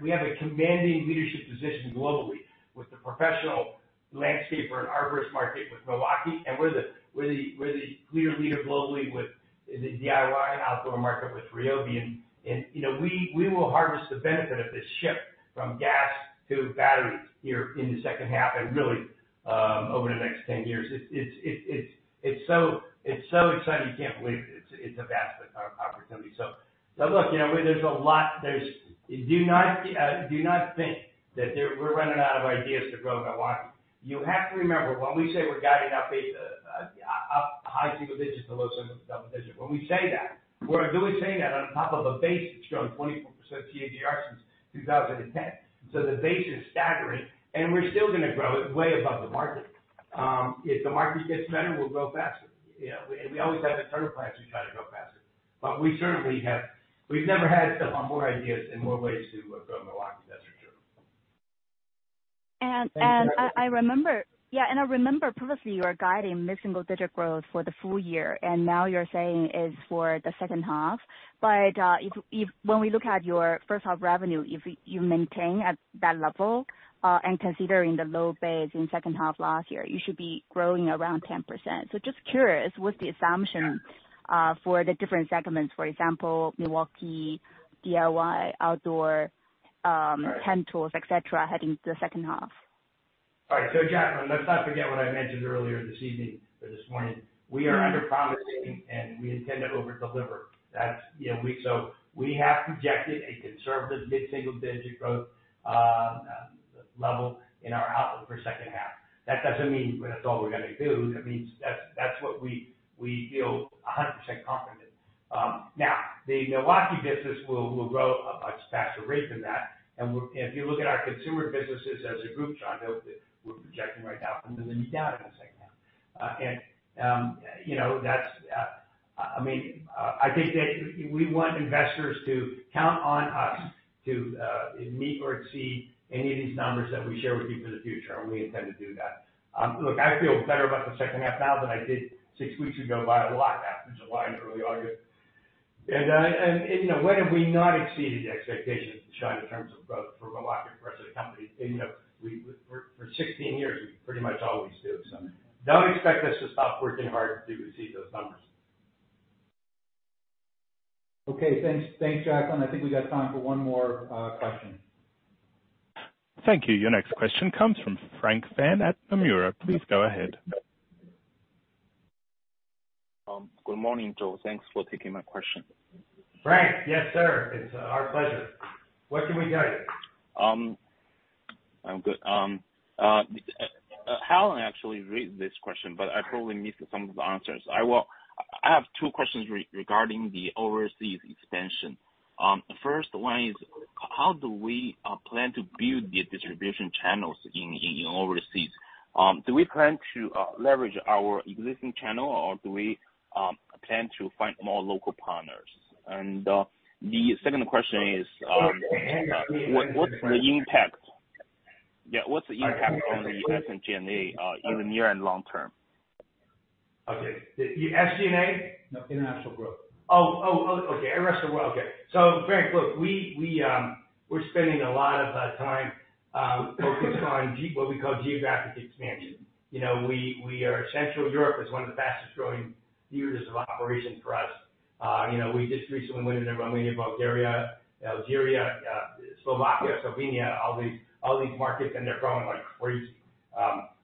we have a commanding leadership position globally with the professional landscaper and arborist market with Milwaukee, and we're the, we're the, we're the clear leader globally with the DIY outdoor market, with Ryobi. You know, we, we will harvest the benefit of this shift from gas to batteries here in the second half and really, over the next 10 years. It's, it's, it's so exciting, you can't believe it. It's, it's a vast opportunity. Look, you know, there's a lot, there's. Do not, do not think that we're running out of ideas to grow Milwaukee. You have to remember, when we say we're guiding up high single-digits to low double-digits, when we say that, we're really saying that on top of a base that's grown 24% CAGR since 2010. The base is staggering, and we're still gonna grow way above the market. If the market gets better, we'll grow faster. You know, we always have the turtle plans to try to grow faster.... But we certainly have-- we've never had to onboard ideas in more ways to grow Milwaukee, that's for sure. I remember- Thank you, Jacqueline. Yeah, I remember previously you were guiding mid-single digit growth for the full year, and now you're saying it's for the second half. If, if when we look at your first half revenue, if you maintain at that level, and considering the low base in second half last year, you should be growing around 10%. Just curious, what's the assumption? Yeah. For the different segments, for example, Milwaukee, DIY, outdoor. Right. Hand tools, et cetera, heading into the second half? All right. Jacqueline, let's not forget what I mentioned earlier this evening or this morning. Mm-hmm. We are underpromising, we intend to overdeliver. That's, you know, we have projected a conservative mid-single digit growth level in our outlook for second half. That doesn't mean that's all we're gonna do. That means that's, that's what we, we feel 100% confident. Now, the Milwaukee business will, will grow a much faster rate than that. We're if you look at our consumer businesses as a group, John, that we're projecting right now, and we'll get into that in a second. You know, that's, I mean, I think that we want investors to count on us to meet or exceed any of these numbers that we share with you for the future, and we intend to do that. Look, I feel better about the second half now than I did six weeks ago by a lot, after July and early August. You know, when have we not exceeded the expectations, John, in terms of growth for Milwaukee and the rest of the company? You know, we, for 16 years, we pretty much always do. Don't expect us to stop working hard to exceed those numbers. Okay, thanks. Thanks, Jacqueline. I think we got time for one more question. Thank you. Your next question comes from Frank Fan at Nomura. Please go ahead. Good morning, Joe. Thanks for taking my question. Frank, yes, sir, it's our pleasure. What can we tell you? I'm good. Helen actually read this question, but I probably missed some of the answers. I have two questions regarding the overseas expansion. The first one is: How do we plan to build the distribution channels in overseas? Do we plan to leverage our existing channel, or do we plan to find more local partners? The second question is, what, what's the impact? Yeah, what's the impact on the SG&A in the near and long term? Okay. The SG&A? No, international growth. Oh, oh, oh, okay. The rest of the world. Okay. Frank, look, we, we, we're spending a lot of time focusing on what we call geographic expansion. You know, we, we are. Central Europe is one of the fastest growing theaters of operation for us. You know, we just recently went into Romania, Bulgaria, Algeria, Slovakia, Slovenia, all these, all these markets, and they're growing like crazy.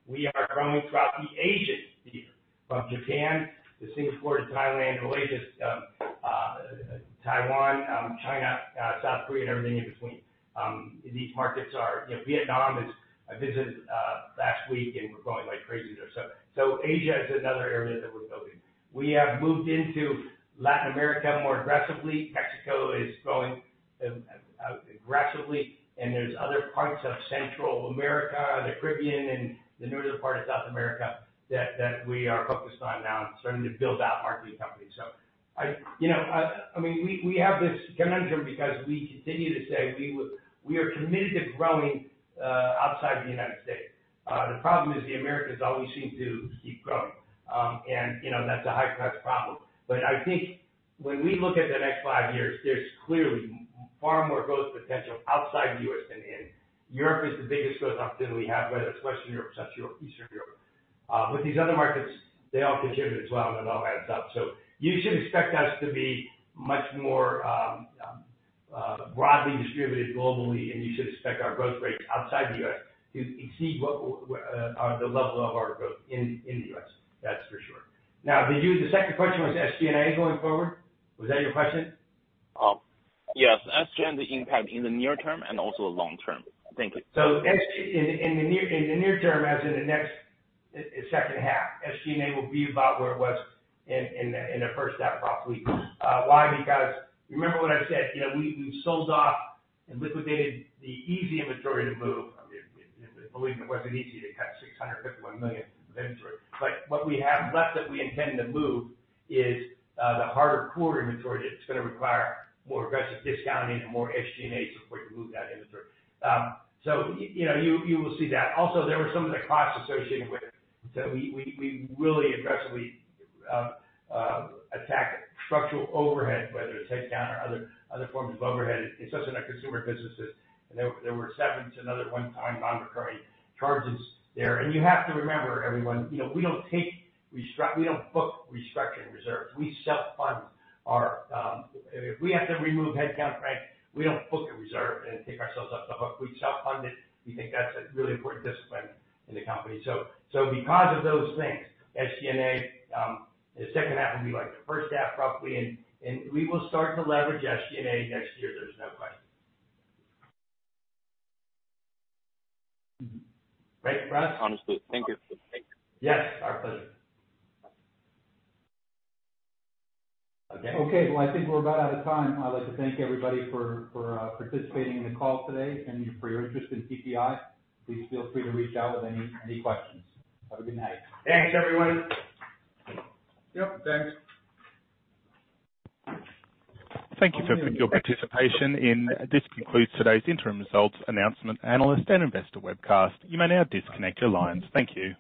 We are growing throughout the Asian theater, from Japan to Singapore, to Thailand, Malaysia, Taiwan, China, South Korea, and everything in between. These markets are... You know, Vietnam, is I visited last week, and we're growing like crazy there. So Asia is another area that we're building. We have moved into Latin America more aggressively. Mexico is growing aggressively, and there's other parts of Central America, the Caribbean, and the northern part of South America that, that we are focused on now and starting to build out our company. I, you know, we have this conundrum because we continue to say we are committed to growing outside the United States. The problem is, the Americas always seem to keep growing. You know, that's a high-priced problem. I think when we look at the next five years, there's clearly far more growth potential outside the US than in. Europe is the biggest growth opportunity we have, whether it's Western Europe, Central, Eastern Europe. With these other markets, they all contribute as well, and it all adds up. You should expect us to be much more broadly distributed globally, and you should expect our growth rates outside the US to exceed what, the level of our growth in, in the US. That's for sure. Did you -- the second question was SG&A going forward? Was that your question? Yes, SG&A impact in the near term and also long term. Thank you. SG in the near term, as in the next second half, SG&A will be about where it was in the first half, roughly. Why? Remember what I said, you know, we've sold off and liquidated the easy inventory to move. I mean, believe me, it wasn't easy to cut $651 million inventory. What we have left that we intend to move is the harder core inventory that's gonna require more aggressive discounting and more SG&As before you move that inventory. You know, you will see that. Also, there were some of the costs associated with it. We really aggressively attacked structural overhead, whether it's headcount or other forms of overhead, especially in our consumer businesses. There were severance and other one-time non-recurring charges there. You have to remember, everyone, you know, we don't take we don't book restructuring reserves. We self-fund our. If we have to remove headcount, Frank, we don't book a reserve and take ourselves off the hook. We self-fund it. We think that's a really important discipline in the company. So because of those things, SG&A, the second half will be like the first half, roughly, and we will start to leverage SG&A next year, there's no question. Right, Frank? Understood. Thank you. Thanks. Yes, our pleasure. Okay. Okay, well, I think we're about out of time. I'd like to thank everybody for participating in the call today and for your interest in PPI. Please feel free to reach out with any questions. Have a good night. Thanks, everyone. Yep, thanks. Thank you for your participation. This concludes today's interim results, announcement, analyst, and investor webcast. You may now disconnect your lines. Thank you.